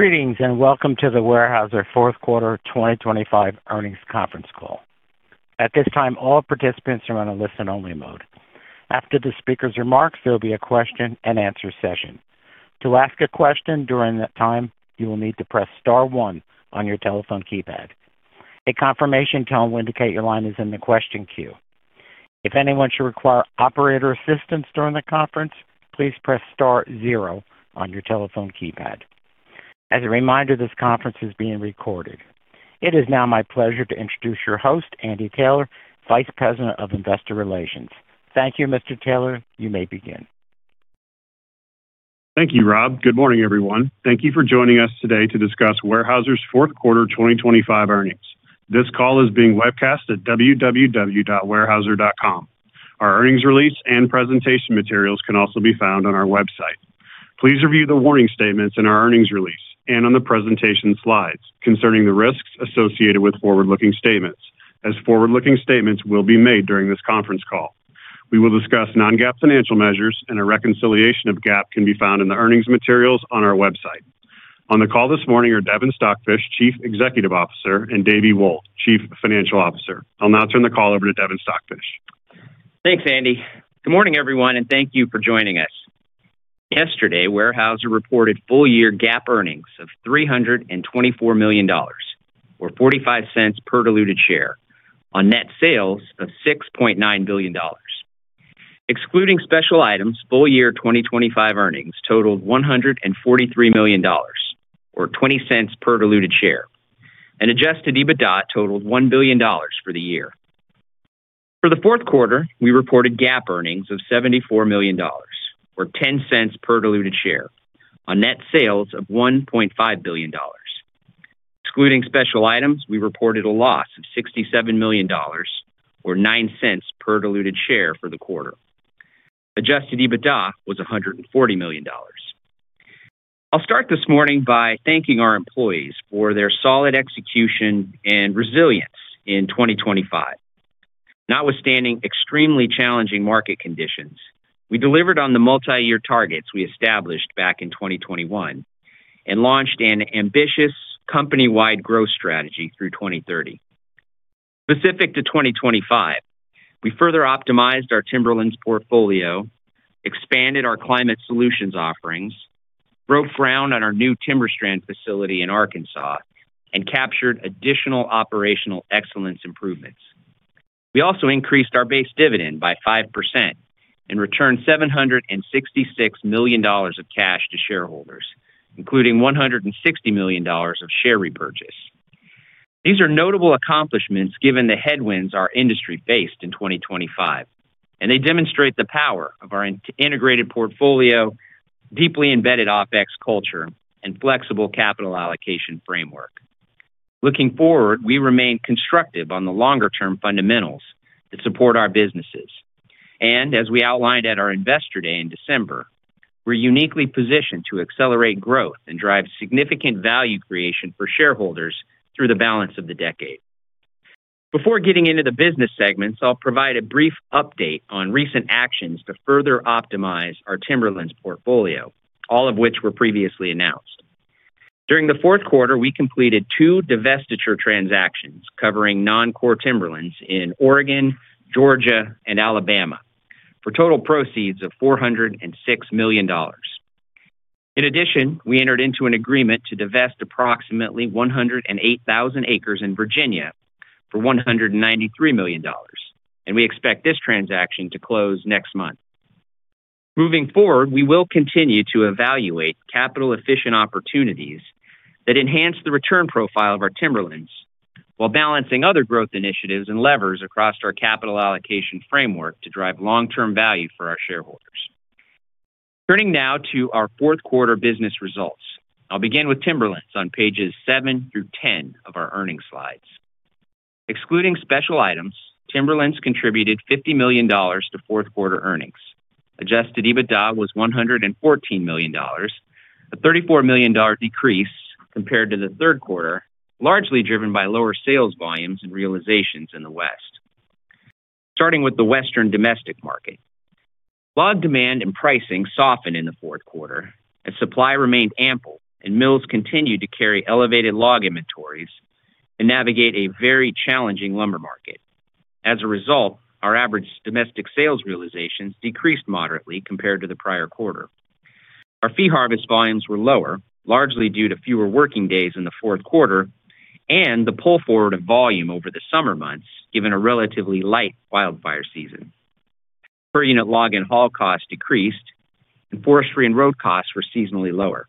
...Greetings, and welcome to the Weyerhaeuser fourth quarter 2025 earnings conference call. At this time, all participants are on a listen-only mode. After the speaker's remarks, there will be a question-and-answer session. To ask a question during that time, you will need to press star one on your telephone keypad. A confirmation tone will indicate your line is in the question queue. If anyone should require operator assistance during the conference, please press star zero on your telephone keypad. As a reminder, this conference is being recorded. It is now my pleasure to introduce your host, Andy Taylor, Vice President of Investor Relations. Thank you, Mr. Taylor. You may begin. Thank you, Rob. Good morning, everyone. Thank you for joining us today to discuss Weyerhaeuser's fourth quarter 2025 earnings. This call is being webcast at www.weyerhaeuser.com. Our earnings release and presentation materials can also be found on our website. Please review the warning statements in our earnings release and on the presentation slides concerning the risks associated with forward-looking statements, as forward-looking statements will be made during this conference call. We will discuss non-GAAP financial measures, and a reconciliation of GAAP can be found in the earnings materials on our website. On the call this morning are Devin Stockfish, Chief Executive Officer, and David Wold, Chief Financial Officer. I'll now turn the call over to Devin Stockfish. Thanks, Andy. Good morning, everyone, and thank you for joining us. Yesterday, Weyerhaeuser reported full-year GAAP earnings of $324 million, or $0.45 per diluted share on net sales of $6.9 billion. Excluding special items, full-year 2025 earnings totaled $143 million, or $0.20 per diluted share, and adjusted EBITDA totaled $1 billion for the year. For the fourth quarter, we reported GAAP earnings of $74 million, or $0.10 per diluted share on net sales of $1.5 billion. Excluding special items, we reported a loss of $67 million, or $0.09 per diluted share for the quarter. Adjusted EBITDA was $140 million. I'll start this morning by thanking our employees for their solid execution and resilience in 2025. Notwithstanding extremely challenging market conditions, we delivered on the multi-year targets we established back in 2021 and launched an ambitious company-wide growth strategy through 2030. Specific to 2025, we further optimized our Timberlands portfolio, expanded our Climate Solutions offerings, broke ground on our new Timberstrand facility in Arkansas, and captured additional operational excellence improvements. We also increased our base dividend by 5% and returned $766 million of cash to shareholders, including $160 million of share repurchase. These are notable accomplishments given the headwinds our industry faced in 2025, and they demonstrate the power of our integrated portfolio, deeply embedded OpEx culture, and flexible capital allocation framework. Looking forward, we remain constructive on the longer-term fundamentals that support our businesses, and as we outlined at our Investor Day in December, we're uniquely positioned to accelerate growth and drive significant value creation for shareholders through the balance of the decade. Before getting into the business segments, I'll provide a brief update on recent actions to further optimize our Timberlands portfolio, all of which were previously announced. During the fourth quarter, we completed two divestiture transactions covering non-core Timberlands in Oregon, Georgia, and Alabama, for total proceeds of $406 million. In addition, we entered into an agreement to divest approximately 108,000 acres in Virginia for $193 million, and we expect this transaction to close next month. Moving forward, we will continue to evaluate capital-efficient opportunities that enhance the return profile of our Timberlands while balancing other growth initiatives and levers across our capital allocation framework to drive long-term value for our shareholders. Turning now to our fourth quarter business results. I'll begin with Timberlands on pages seven through 10 of our earnings slides. Excluding special items, Timberlands contributed $50 million to fourth quarter earnings. Adjusted EBITDA was $114 million, a $34 million decrease compared to the third quarter, largely driven by lower sales volumes and realizations in the West. Starting with the western domestic market. Log demand and pricing softened in the fourth quarter as supply remained ample and mills continued to carry elevated log inventories and navigate a very challenging lumber market. As a result, our average domestic sales realizations decreased moderately compared to the prior quarter. Our fee harvest volumes were lower, largely due to fewer working days in the fourth quarter and the pull forward of volume over the summer months, given a relatively light wildfire season. Per unit log and haul costs decreased, and forestry and road costs were seasonally lower.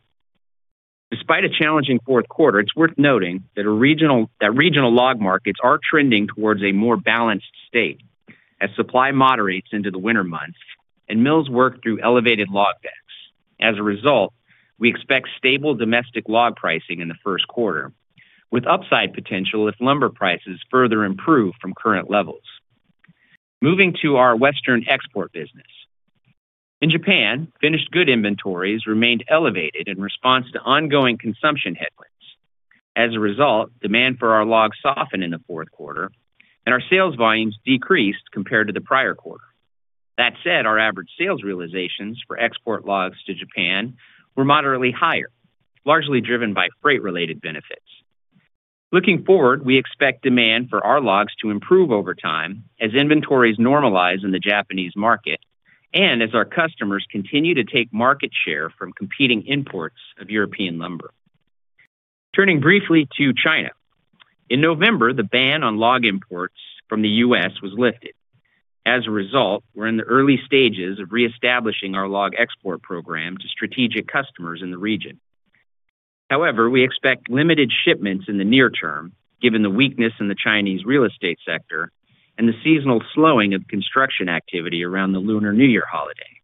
Despite a challenging fourth quarter, it's worth noting that that regional log markets are trending towards a more balanced state as supply moderates into the winter months and mills work through elevated log decks. As a result, we expect stable domestic log pricing in the first quarter, with upside potential if lumber prices further improve from current levels. Moving to our western export business. In Japan, finished good inventories remained elevated in response to ongoing consumption headwinds. As a result, demand for our logs softened in the fourth quarter, and our sales volumes decreased compared to the prior quarter. That said, our average sales realizations for export logs to Japan were moderately higher, largely driven by freight-related benefits. Looking forward, we expect demand for our logs to improve over time as inventories normalize in the Japanese market and as our customers continue to take market share from competing imports of European lumber. Turning briefly to China. In November, the ban on log imports from the U.S. was lifted. As a result, we're in the early stages of reestablishing our log export program to strategic customers in the region. However, we expect limited shipments in the near term, given the weakness in the Chinese real estate sector and the seasonal slowing of construction activity around the Lunar New Year holiday.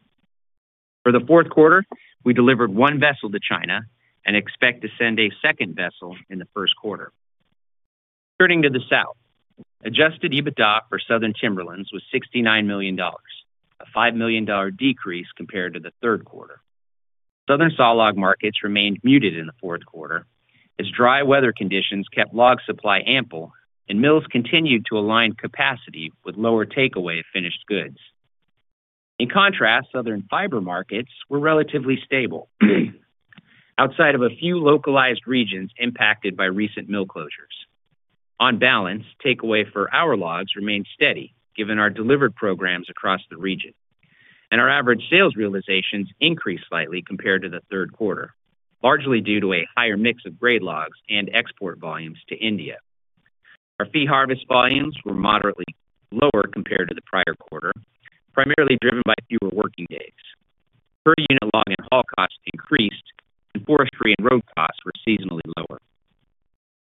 For the fourth quarter, we delivered one vessel to China and expect to send a second vessel in the first quarter. Turning to the South, Adjusted EBITDA for Southern Timberlands was $69 million, a $5 million decrease compared to the third quarter. Southern sawlog markets remained muted in the fourth quarter as dry weather conditions kept log supply ample, and mills continued to align capacity with lower takeaway of finished goods. In contrast, Southern fiber markets were relatively stable, outside of a few localized regions impacted by recent mill closures. On balance, takeaway for our logs remained steady, given our delivered programs across the region, and our average sales realizations increased slightly compared to the third quarter, largely due to a higher mix of grade logs and export volumes to India. Our fee harvest volumes were moderately lower compared to the prior quarter, primarily driven by fewer working days. Per-unit log and haul costs increased, and forestry and road costs were seasonally lower.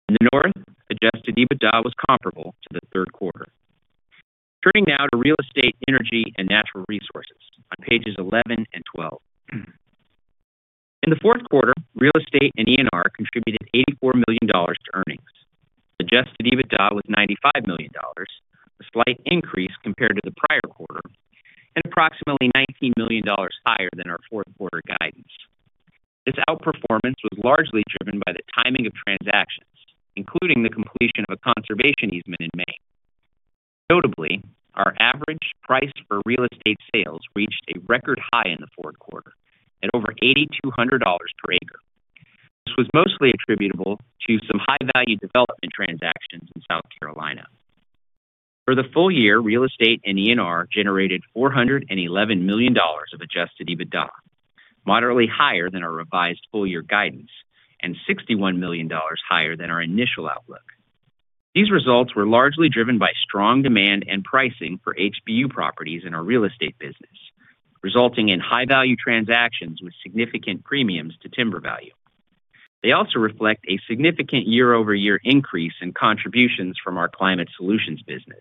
In the North, Adjusted EBITDA was comparable to the third quarter. Turning now to Real Estate, Energy, and Natural Resources on pages 11 and 12. In the fourth quarter, Real Estate and ENR contributed $84 million to earnings. Adjusted EBITDA was $95 million, a slight increase compared to the prior quarter, and approximately $19 million higher than our fourth quarter guidance. This outperformance was largely driven by the timing of transactions, including the completion of a conservation easement in May. Notably, our average price for real estate sales reached a record high in the fourth quarter at over $8,200 per acre. This was mostly attributable to some high-value development transactions in South Carolina. For the full year, Real Estate and ENR generated $411 million of adjusted EBITDA, moderately higher than our revised full-year guidance, and $61 million higher than our initial outlook. These results were largely driven by strong demand and pricing for HBU properties in our real estate business, resulting in high-value transactions with significant premiums to timber value. They also reflect a significant year-over-year increase in contributions from our Climate Solutions business.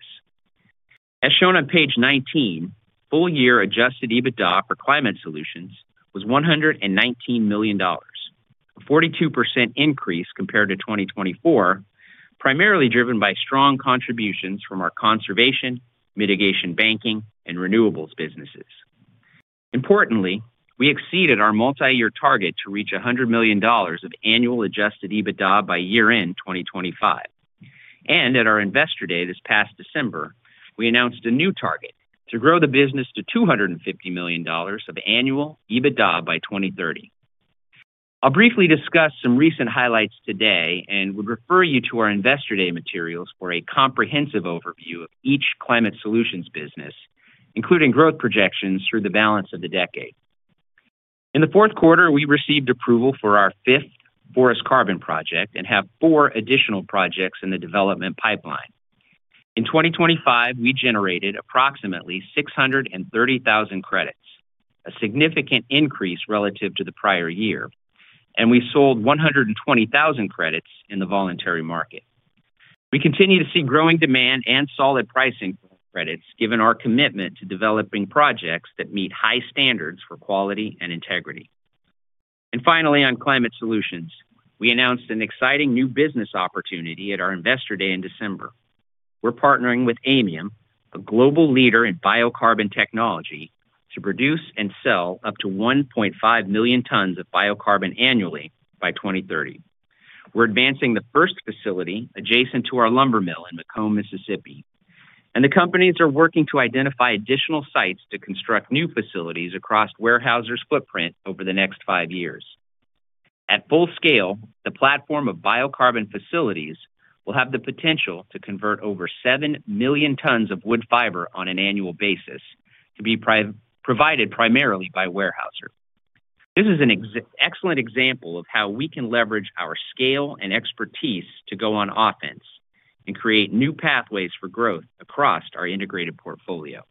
As shown on page 19, full-year adjusted EBITDA for Climate Solutions was $119 million, a 42% increase compared to 2024, primarily driven by strong contributions from our conservation, mitigation banking, and renewables businesses. Importantly, we exceeded our multiyear target to reach $100 million of annual adjusted EBITDA by year-end 2025. At our Investor Day this past December, we announced a new target: to grow the business to $250 million of annual EBITDA by 2030. I'll briefly discuss some recent highlights today and would refer you to our Investor Day materials for a comprehensive overview of each Climate Solutions business, including growth projections through the balance of the decade. In the fourth quarter, we received approval for our fifth forest carbon project and have four additional projects in the development pipeline. In 2025, we generated approximately 630,000 credits, a significant increase relative to the prior year, and we sold 120,000 credits in the voluntary market. We continue to see growing demand and solid pricing for credits, given our commitment to developing projects that meet high standards for quality and integrity. Finally, on Climate Solutions, we announced an exciting new business opportunity at our Investor Day in December. We're partnering with Aymium, a global leader in biocarbon technology, to produce and sell up to 1.5 million tons of biocarbon annually by 2030. We're advancing the first facility adjacent to our lumber mill in McComb, Mississippi, and the companies are working to identify additional sites to construct new facilities across Weyerhaeuser's footprint over the next five years. At full scale, the platform of biocarbon facilities will have the potential to convert over 7 million tons of wood fiber on an annual basis, to be provided primarily by Weyerhaeuser. This is an excellent example of how we can leverage our scale and expertise to go on offense and create new pathways for growth across our integrated portfolio.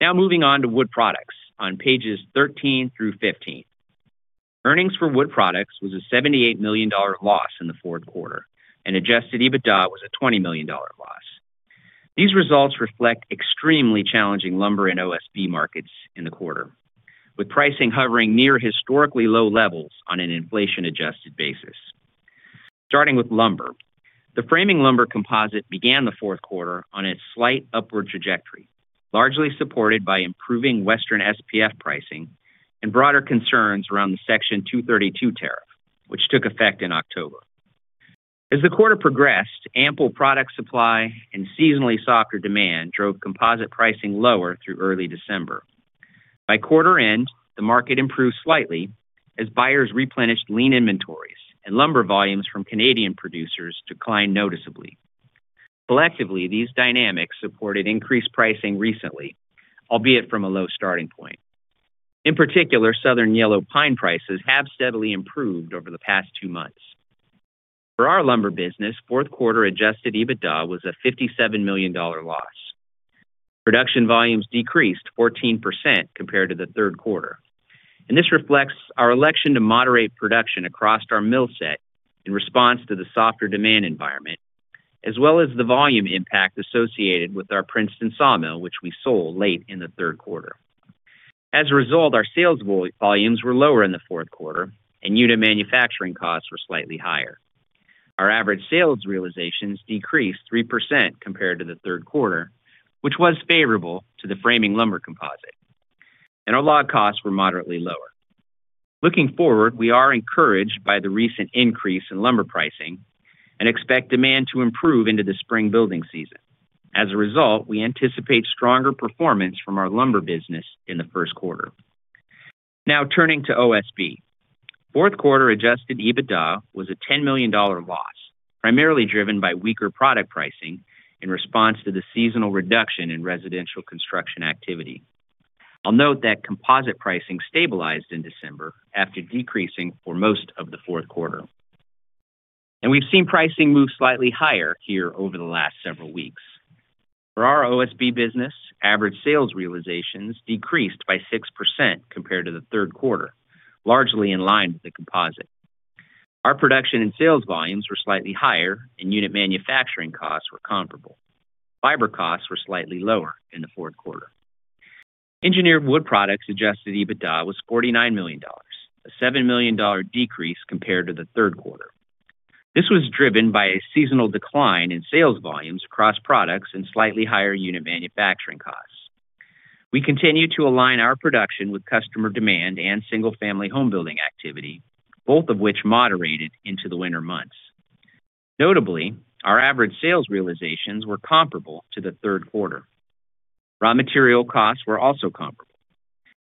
Now moving on to Wood Products on pages 13 through 15. Earnings for Wood Products was a $78 million loss in the fourth quarter, and adjusted EBITDA was a $20 million loss. These results reflect extremely challenging lumber and OSB markets in the quarter, with pricing hovering near historically low levels on an inflation-adjusted basis. Starting with lumber... The framing lumber composite began the fourth quarter on a slight upward trajectory, largely supported by improving Western SPF pricing and broader concerns around the Section 232 tariff, which took effect in October. As the quarter progressed, ample product supply and seasonally softer demand drove composite pricing lower through early December. By quarter end, the market improved slightly as buyers replenished lean inventories and lumber volumes from Canadian producers declined noticeably. Collectively, these dynamics supported increased pricing recently, albeit from a low starting point. In particular, Southern Yellow Pine prices have steadily improved over the past two months. For our lumber business, fourth quarter Adjusted EBITDA was a $57 million loss. Production volumes decreased 14% compared to the third quarter, and this reflects our election to moderate production across our mill set in response to the softer demand environment, as well as the volume impact associated with our Princeton sawmill, which we sold late in the third quarter. As a result, our sales volumes were lower in the fourth quarter, and unit manufacturing costs were slightly higher. Our average sales realizations decreased 3% compared to the third quarter, which was favorable to the framing lumber composite, and our log costs were moderately lower. Looking forward, we are encouraged by the recent increase in lumber pricing and expect demand to improve into the spring building season. As a result, we anticipate stronger performance from our lumber business in the first quarter. Now, turning to OSB. Fourth quarter adjusted EBITDA was a $10 million loss, primarily driven by weaker product pricing in response to the seasonal reduction in residential construction activity. I'll note that composite pricing stabilized in December after decreasing for most of the fourth quarter, and we've seen pricing move slightly higher here over the last several weeks. For our OSB business, average sales realizations decreased by 6% compared to the third quarter, largely in line with the composite. Our production and sales volumes were slightly higher, and unit manufacturing costs were comparable. Fiber costs were slightly lower in the fourth quarter. Engineered Wood Products adjusted EBITDA was $49 million, a $7 million decrease compared to the third quarter. This was driven by a seasonal decline in sales volumes across products and slightly higher unit manufacturing costs. We continue to align our production with customer demand and single-family home building activity, both of which moderated into the winter months. Notably, our average sales realizations were comparable to the third quarter. Raw material costs were also comparable.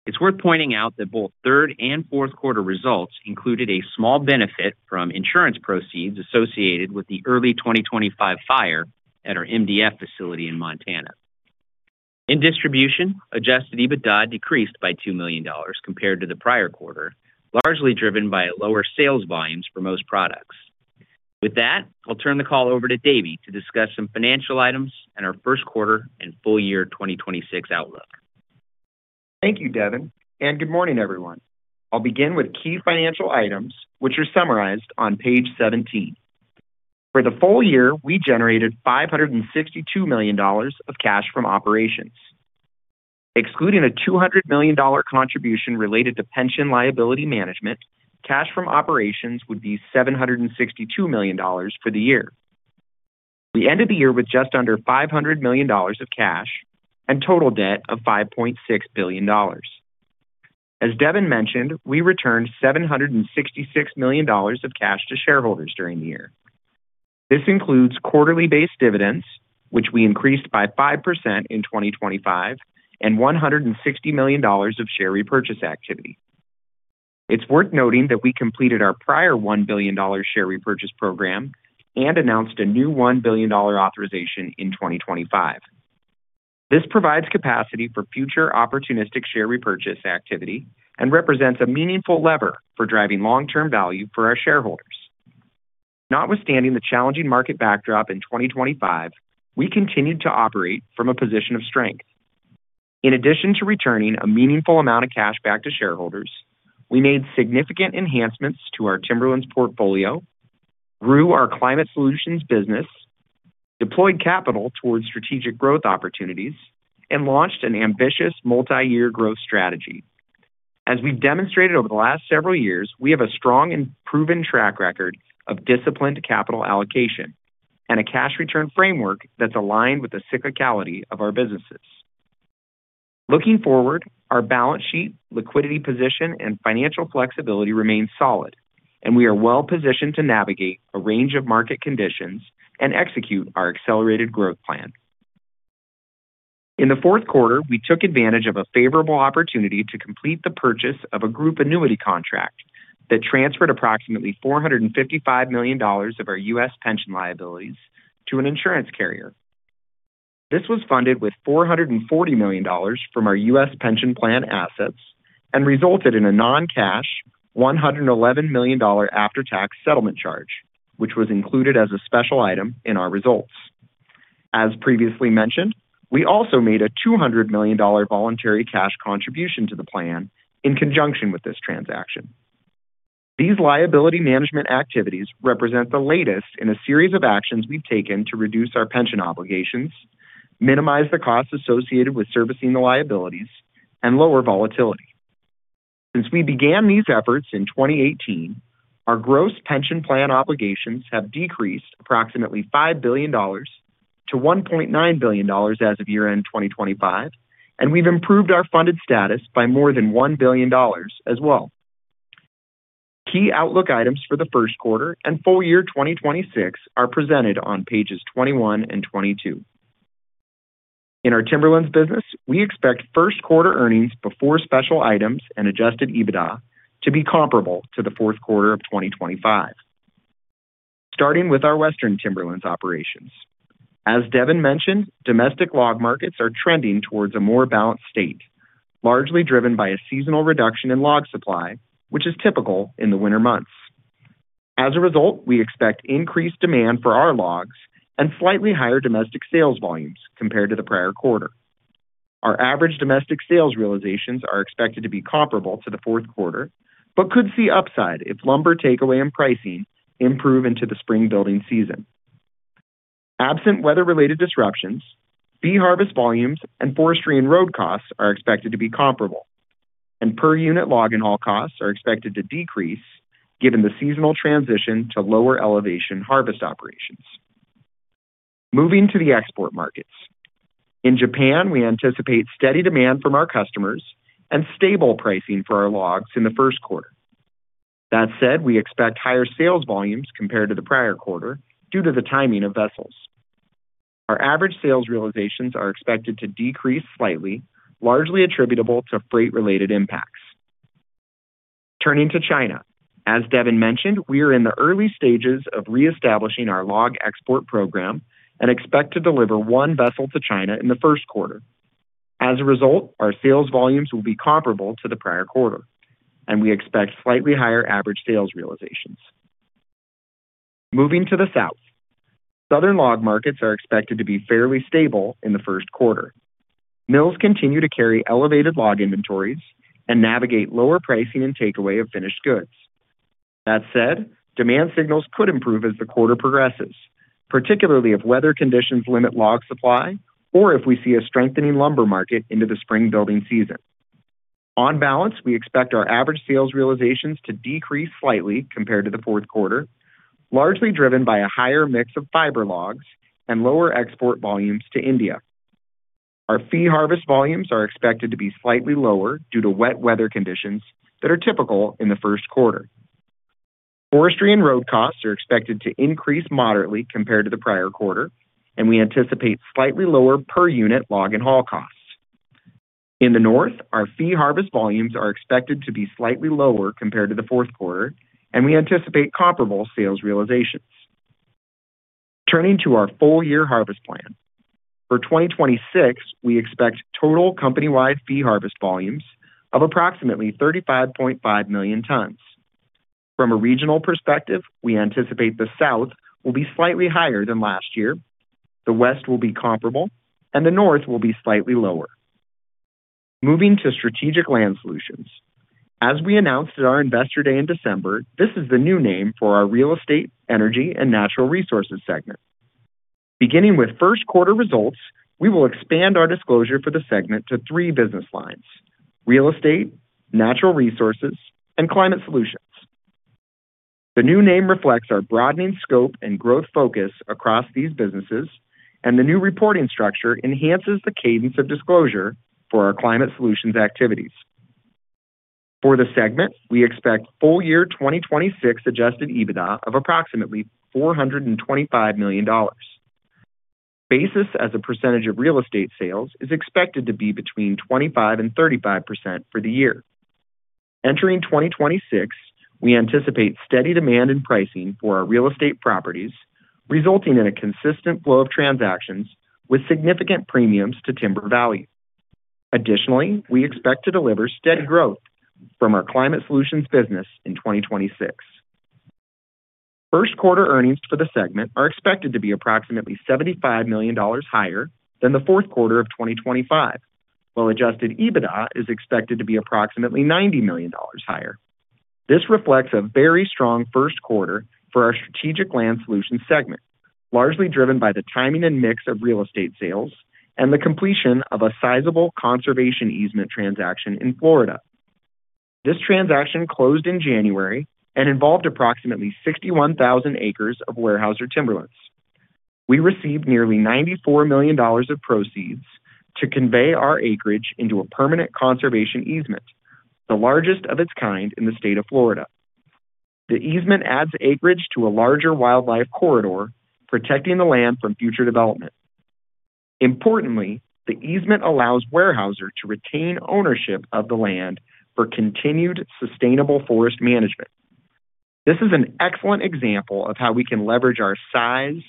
It's worth pointing out that both third and fourth quarter results included a small benefit from insurance proceeds associated with the early 2025 fire at our MDF facility in Montana. In Distribution, adjusted EBITDA decreased by $2 million compared to the prior quarter, largely driven by lower sales volumes for most products. With that, I'll turn the call over to Dave to discuss some financial items and our first quarter and full year 2026 outlook. Thank you, Devin, and good morning, everyone. I'll begin with key financial items, which are summarized on page 17. For the full year, we generated $562 million of cash from operations. Excluding a $200 million contribution related to pension liability management, cash from operations would be $762 million for the year. We ended the year with just under $500 million of cash and total debt of $5.6 billion. As Devin mentioned, we returned $766 million of cash to shareholders during the year. This includes quarterly base dividends, which we increased by 5% in 2025, and $160 million of share repurchase activity. It's worth noting that we completed our prior $1 billion share repurchase program and announced a new $1 billion authorization in 2025. This provides capacity for future opportunistic share repurchase activity and represents a meaningful lever for driving long-term value for our shareholders. Notwithstanding the challenging market backdrop in 2025, we continued to operate from a position of strength. In addition to returning a meaningful amount of cash back to shareholders, we made significant enhancements to our Timberlands portfolio, grew our climate solutions business, deployed capital towards strategic growth opportunities, and launched an ambitious multi-year growth strategy. As we've demonstrated over the last several years, we have a strong and proven track record of disciplined capital allocation and a cash return framework that's aligned with the cyclicality of our businesses. Looking forward, our balance sheet, liquidity position, and financial flexibility remains solid, and we are well-positioned to navigate a range of market conditions and execute our accelerated growth plan. In the fourth quarter, we took advantage of a favorable opportunity to complete the purchase of a group annuity contract that transferred approximately $455 million of our U.S. pension liabilities to an insurance carrier. This was funded with $440 million from our U.S. pension plan assets and resulted in a non-cash $111 million after-tax settlement charge, which was included as a special item in our results. As previously mentioned, we also made a $200 million voluntary cash contribution to the plan in conjunction with this transaction. These liability management activities represent the latest in a series of actions we've taken to reduce our pension obligations, minimize the costs associated with servicing the liabilities, and lower volatility. Since we began these efforts in 2018, our gross pension plan obligations have decreased approximately $5 billion to $1.9 billion as of year-end 2025, and we've improved our funded status by more than $1 billion as well. Key outlook items for the first quarter and full year 2026 are presented on pages 21 and 22. In our Timberlands business, we expect first quarter earnings before special items and Adjusted EBITDA to be comparable to the fourth quarter of 2025. Starting with our Western Timberlands operations. As Devin mentioned, domestic log markets are trending towards a more balanced state, largely driven by a seasonal reduction in log supply, which is typical in the winter months. As a result, we expect increased demand for our logs and slightly higher domestic sales volumes compared to the prior quarter. Our average domestic sales realizations are expected to be comparable to the fourth quarter, but could see upside if lumber takeaway and pricing improve into the spring building season. Absent weather-related disruptions, fee harvest volumes and forestry and road costs are expected to be comparable, and per-unit log-and-haul costs are expected to decrease, given the seasonal transition to lower elevation harvest operations. Moving to the export markets. In Japan, we anticipate steady demand from our customers and stable pricing for our logs in the first quarter. That said, we expect higher sales volumes compared to the prior quarter due to the timing of vessels. Our average sales realizations are expected to decrease slightly, largely attributable to freight-related impacts. Turning to China. As Devin mentioned, we are in the early stages of reestablishing our log export program and expect to deliver one vessel to China in the first quarter. As a result, our sales volumes will be comparable to the prior quarter, and we expect slightly higher average sales realizations. Moving to the South. Southern log markets are expected to be fairly stable in the first quarter. Mills continue to carry elevated log inventories and navigate lower pricing and takeaway of finished goods. That said, demand signals could improve as the quarter progresses, particularly if weather conditions limit log supply or if we see a strengthening lumber market into the spring building season. On balance, we expect our average sales realizations to decrease slightly compared to the fourth quarter, largely driven by a higher mix of fiber logs and lower export volumes to India. Our fee harvest volumes are expected to be slightly lower due to wet weather conditions that are typical in the first quarter. Forestry and road costs are expected to increase moderately compared to the prior quarter, and we anticipate slightly lower per-unit log and haul costs. In the North, our fee harvest volumes are expected to be slightly lower compared to the fourth quarter, and we anticipate comparable sales realizations. Turning to our full-year harvest plan. For 2026, we expect total company-wide fee harvest volumes of approximately 35.5 million tons. From a regional perspective, we anticipate the South will be slightly higher than last year, the West will be comparable, and the North will be slightly lower. Moving to Strategic Land Solutions. As we announced at our Investor Day in December, this is the new name for our Real Estate, Energy, and Natural Resources segment. Beginning with first quarter results, we will expand our disclosure for the segment to three business lines: Real Estate, Natural Resources, and Climate Solutions. The new name reflects our broadening scope and growth focus across these businesses, and the new reporting structure enhances the cadence of disclosure for our climate solutions activities. For the segment, we expect full-year 2026 Adjusted EBITDA of approximately $425 million. Basis as a percentage of real estate sales is expected to be between 25% and 35% for the year. Entering 2026, we anticipate steady demand in pricing for our real estate properties, resulting in a consistent flow of transactions with significant premiums to timber value. Additionally, we expect to deliver steady growth from our climate solutions business in 2026. First quarter earnings for the segment are expected to be approximately $75 million higher than the fourth quarter of 2025, while adjusted EBITDA is expected to be approximately $90 million higher. This reflects a very strong first quarter for our Strategic Land Solutions segment, largely driven by the timing and mix of real estate sales and the completion of a sizable conservation easement transaction in Florida. This transaction closed in January and involved approximately 61,000 acres of Weyerhaeuser Timberlands. We received nearly $94 million of proceeds to convey our acreage into a permanent conservation easement, the largest of its kind in the state of Florida. The easement adds acreage to a larger wildlife corridor, protecting the land from future development. Importantly, the easement allows Weyerhaeuser to retain ownership of the land for continued sustainable forest management. This is an excellent example of how we can leverage our size,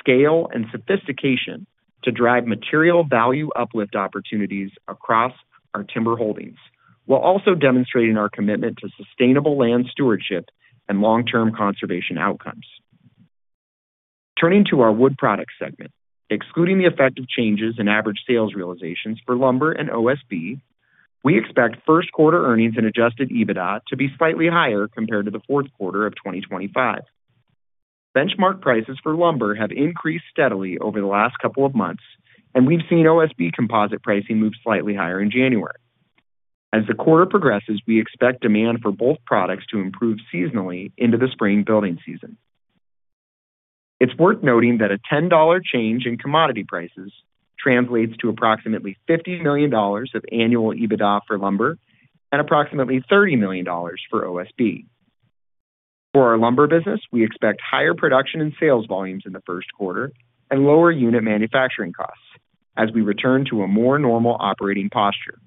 scale, and sophistication to drive material value uplift opportunities across our timber holdings, while also demonstrating our commitment to sustainable land stewardship and long-term conservation outcomes. Turning to our Wood Products segment. Excluding the effect of changes in average sales realizations for lumber and OSB, we expect first quarter earnings and Adjusted EBITDA to be slightly higher compared to the fourth quarter of 2025.... Benchmark prices for lumber have increased steadily over the last couple of months, and we've seen OSB composite pricing move slightly higher in January. As the quarter progresses, we expect demand for both products to improve seasonally into the spring building season. It's worth noting that a $10 change in commodity prices translates to approximately $50 million of annual EBITDA for lumber and approximately $30 million for OSB. For our lumber business, we expect higher production and sales volumes in the first quarter and lower unit manufacturing costs as we return to a more normal operating posture.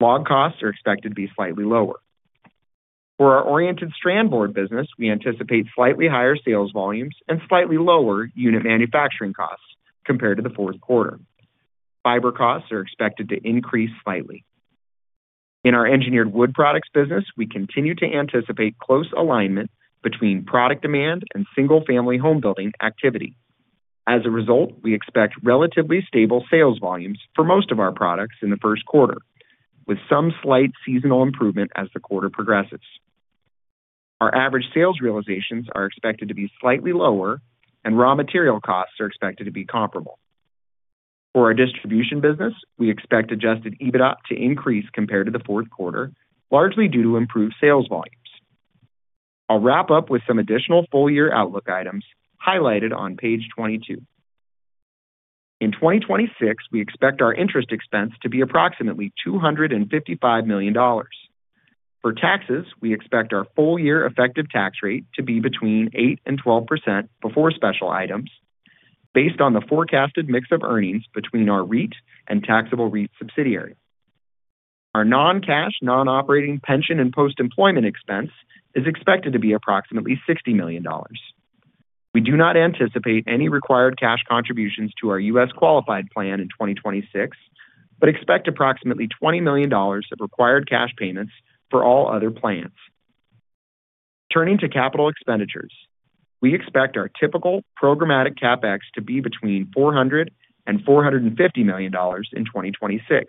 Log costs are expected to be slightly lower. For our oriented strand board business, we anticipate slightly higher sales volumes and slightly lower unit manufacturing costs compared to the fourth quarter. Fiber costs are expected to increase slightly. In our Engineered Wood Products business, we continue to anticipate close alignment between product demand and single-family home building activity. As a result, we expect relatively stable sales volumes for most of our products in the first quarter, with some slight seasonal improvement as the quarter progresses. Our average sales realizations are expected to be slightly lower, and raw material costs are expected to be comparable. For our distribution business, we expect Adjusted EBITDA to increase compared to the fourth quarter, largely due to improved sales volumes. I'll wrap up with some additional full-year outlook items highlighted on page 22. In 2026, we expect our interest expense to be approximately $255 million. For taxes, we expect our full-year effective tax rate to be between 8% and 12% before special items, based on the forecasted mix of earnings between our REIT and Taxable REIT Subsidiary. Our non-cash, non-operating pension and post-employment expense is expected to be approximately $60 million. We do not anticipate any required cash contributions to our U.S. qualified plan in 2026, but expect approximately $20 million of required cash payments for all other plans. Turning to capital expenditures, we expect our typical programmatic CapEx to be between $400 million and $450 million in 2026,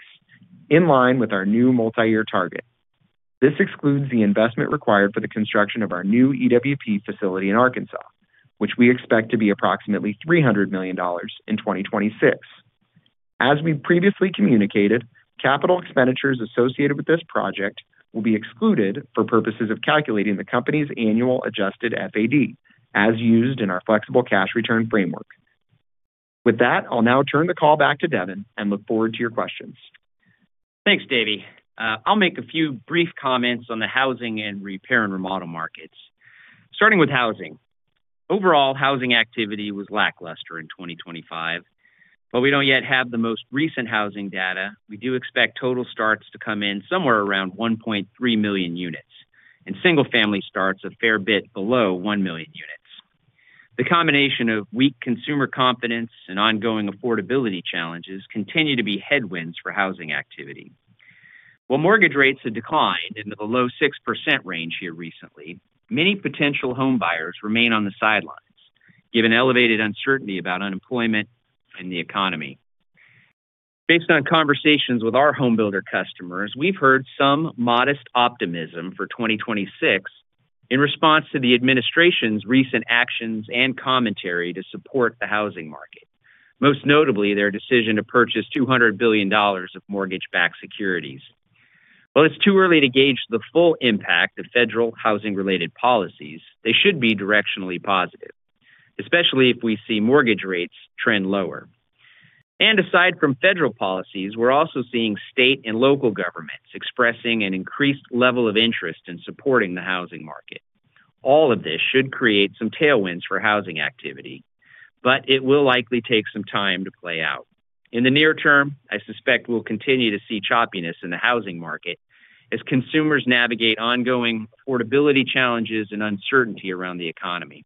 in line with our new multi-year target. This excludes the investment required for the construction of our new EWP facility in Arkansas, which we expect to be approximately $300 million in 2026. As we previously communicated, capital expenditures associated with this project will be excluded for purposes of calculating the company's annual Adjusted FAD, as used in our flexible cash return framework. With that, I'll now turn the call back to Devin and look forward to your questions. Thanks, David. I'll make a few brief comments on the housing and repair and remodel markets. Starting with housing. Overall, housing activity was lackluster in 2025. We don't yet have the most recent housing data, we do expect total starts to come in somewhere around 1.3 million units, and single-family starts a fair bit below 1 million units. The combination of weak consumer confidence and ongoing affordability challenges continue to be headwinds for housing activity. While mortgage rates have declined in the below 6% range here recently, many potential home buyers remain on the sidelines, given elevated uncertainty about unemployment and the economy. Based on conversations with our home builder customers, we've heard some modest optimism for 2026 in response to the administration's recent actions and commentary to support the housing market, most notably, their decision to purchase $200 billion of mortgage-backed securities. While it's too early to gauge the full impact of federal housing-related policies, they should be directionally positive, especially if we see mortgage rates trend lower. Aside from federal policies, we're also seeing state and local governments expressing an increased level of interest in supporting the housing market. All of this should create some tailwinds for housing activity, but it will likely take some time to play out. In the near term, I suspect we'll continue to see choppiness in the housing market as consumers navigate ongoing affordability challenges and uncertainty around the economy.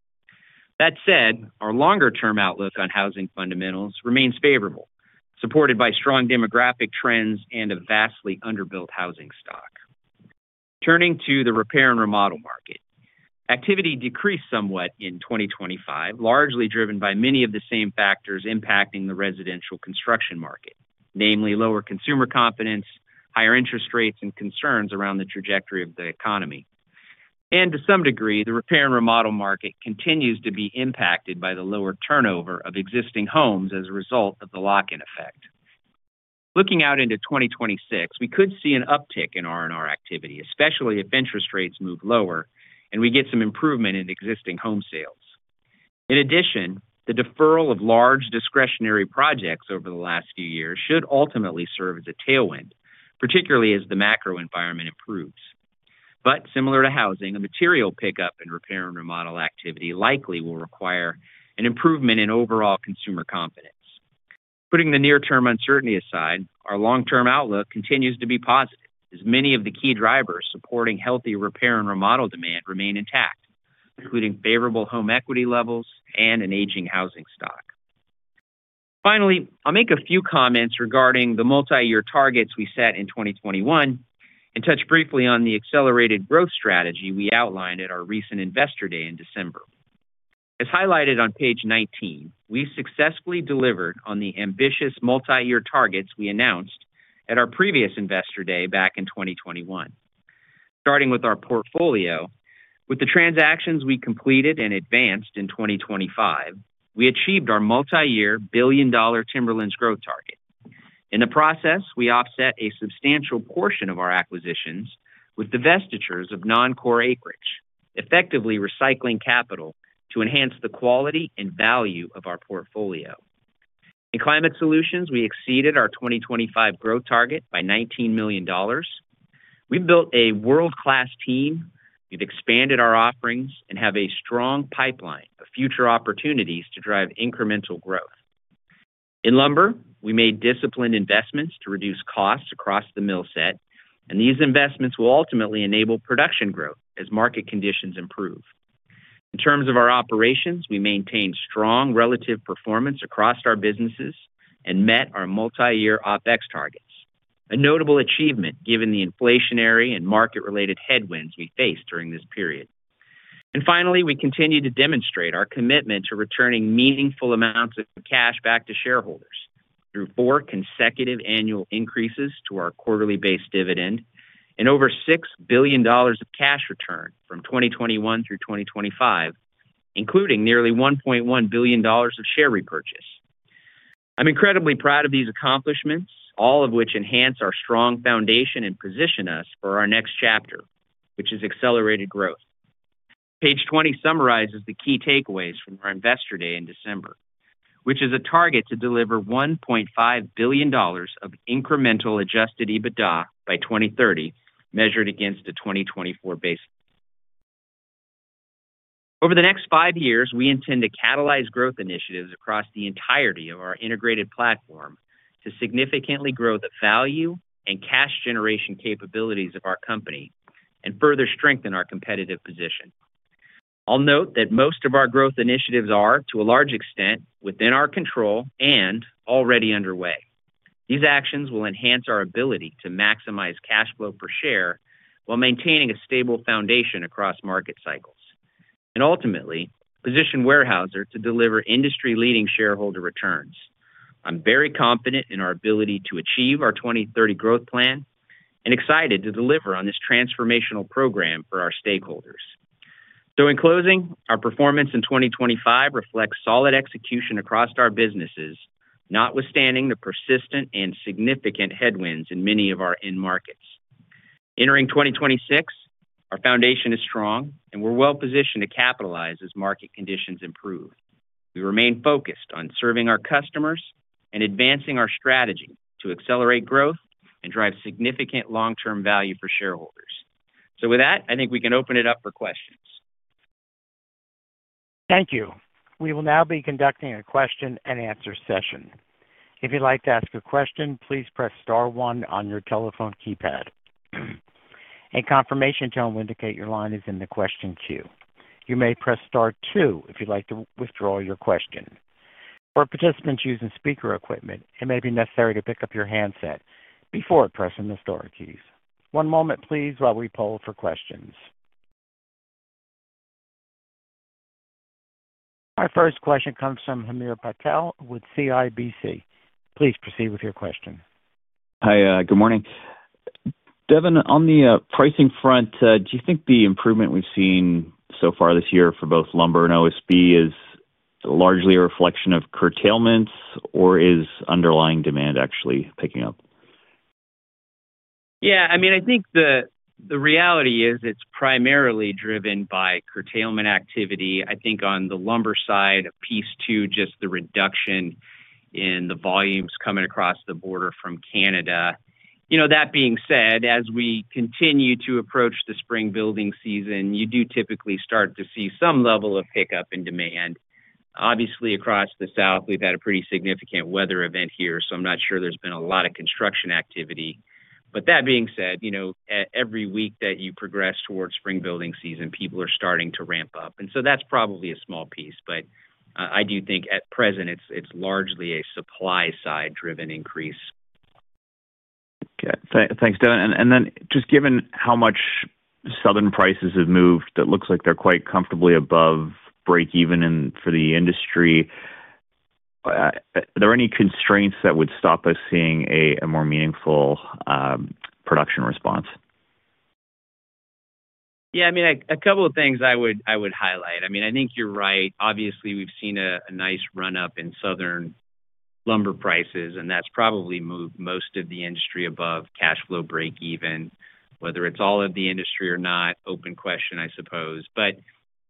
That said, our longer-term outlook on housing fundamentals remains favorable, supported by strong demographic trends and a vastly underbuilt housing stock. Turning to the repair and remodel market. Activity decreased somewhat in 2025, largely driven by many of the same factors impacting the residential construction market, namely lower consumer confidence, higher interest rates, and concerns around the trajectory of the economy. And to some degree, the repair and remodel market continues to be impacted by the lower turnover of existing homes as a result of the lock-in effect. Looking out into 2026, we could see an uptick in R&R activity, especially if interest rates move lower and we get some improvement in existing home sales. In addition, the deferral of large discretionary projects over the last few years should ultimately serve as a tailwind, particularly as the macro environment improves. But similar to housing, a material pickup in repair and remodel activity likely will require an improvement in overall consumer confidence. Putting the near-term uncertainty aside, our long-term outlook continues to be positive, as many of the key drivers supporting healthy repair and remodel demand remain intact, including favorable home equity levels and an aging housing stock. Finally, I'll make a few comments regarding the multi-year targets we set in 2021, and touch briefly on the accelerated growth strategy we outlined at our recent Investor Day in December. As highlighted on page 19, we've successfully delivered on the ambitious multi-year targets we announced at our previous Investor Day back in 2021.... Starting with our portfolio, with the transactions we completed and advanced in 2025, we achieved our multi-year billion-dollar Timberlands growth target. In the process, we offset a substantial portion of our acquisitions with divestitures of non-core acreage, effectively recycling capital to enhance the quality and value of our portfolio. In climate solutions, we exceeded our 2025 growth target by $19 million. We've built a world-class team, we've expanded our offerings, and have a strong pipeline of future opportunities to drive incremental growth. In lumber, we made disciplined investments to reduce costs across the mill set, and these investments will ultimately enable production growth as market conditions improve. In terms of our operations, we maintained strong relative performance across our businesses and met our multi-year OpEx targets, a notable achievement, given the inflationary and market-related headwinds we faced during this period. Finally, we continue to demonstrate our commitment to returning meaningful amounts of cash back to shareholders through four consecutive annual increases to our quarterly-based dividend and over $6 billion of cash return from 2021 through 2025, including nearly $1.1 billion of share repurchase. I'm incredibly proud of these accomplishments, all of which enhance our strong foundation and position us for our next chapter, which is accelerated growth. Page 20 summarizes the key takeaways from our Investor Day in December, which is a target to deliver $1.5 billion of incremental Adjusted EBITDA by 2030, measured against the 2024 baseline. Over the next five years, we intend to catalyze growth initiatives across the entirety of our integrated platform to significantly grow the value and cash generation capabilities of our company and further strengthen our competitive position. I'll note that most of our growth initiatives are, to a large extent, within our control and already underway. These actions will enhance our ability to maximize cash flow per share while maintaining a stable foundation across market cycles, and ultimately, position Weyerhaeuser to deliver industry-leading shareholder returns. I'm very confident in our ability to achieve our 2030 growth plan and excited to deliver on this transformational program for our stakeholders. So in closing, our performance in 2025 reflects solid execution across our businesses, notwithstanding the persistent and significant headwinds in many of our end markets. Entering 2026, our foundation is strong, and we're well-positioned to capitalize as market conditions improve. We remain focused on serving our customers and advancing our strategy to accelerate growth and drive significant long-term value for shareholders. So with that, I think we can open it up for questions. Thank you. We will now be conducting a question-and-answer session. If you'd like to ask a question, please press star one on your telephone keypad. A confirmation tone will indicate your line is in the question queue. You may press star two if you'd like to withdraw your question. For participants using speaker equipment, it may be necessary to pick up your handset before pressing the star keys. One moment, please, while we poll for questions. Our first question comes from Hamir Patel with CIBC. Please proceed with your question. Hi, good morning. Devin, on the pricing front, do you think the improvement we've seen so far this year for both lumber and OSB is largely a reflection of curtailments, or is underlying demand actually picking up? Yeah, I mean, I think the reality is it's primarily driven by curtailment activity. I think on the lumber side, a piece is just the reduction in the volumes coming across the border from Canada. You know, that being said, as we continue to approach the spring building season, you do typically start to see some level of pickup in demand. Obviously, across the South, we've had a pretty significant weather event here, so I'm not sure there's been a lot of construction activity. But that being said, you know, every week that you progress towards spring building season, people are starting to ramp up. And so that's probably a small piece, but I do think at present, it's largely a supply-side driven increase. Okay. Thanks, Devin. And then, just given how much Southern prices have moved, it looks like they're quite comfortably above break-even for the industry. Are there any constraints that would stop us seeing a more meaningful production response? Yeah, I mean, a couple of things I would highlight. I mean, I think you're right. Obviously, we've seen a nice run-up in Southern lumber prices, and that's probably moved most of the industry above cash flow break even. Whether it's all of the industry or not, open question, I suppose. But,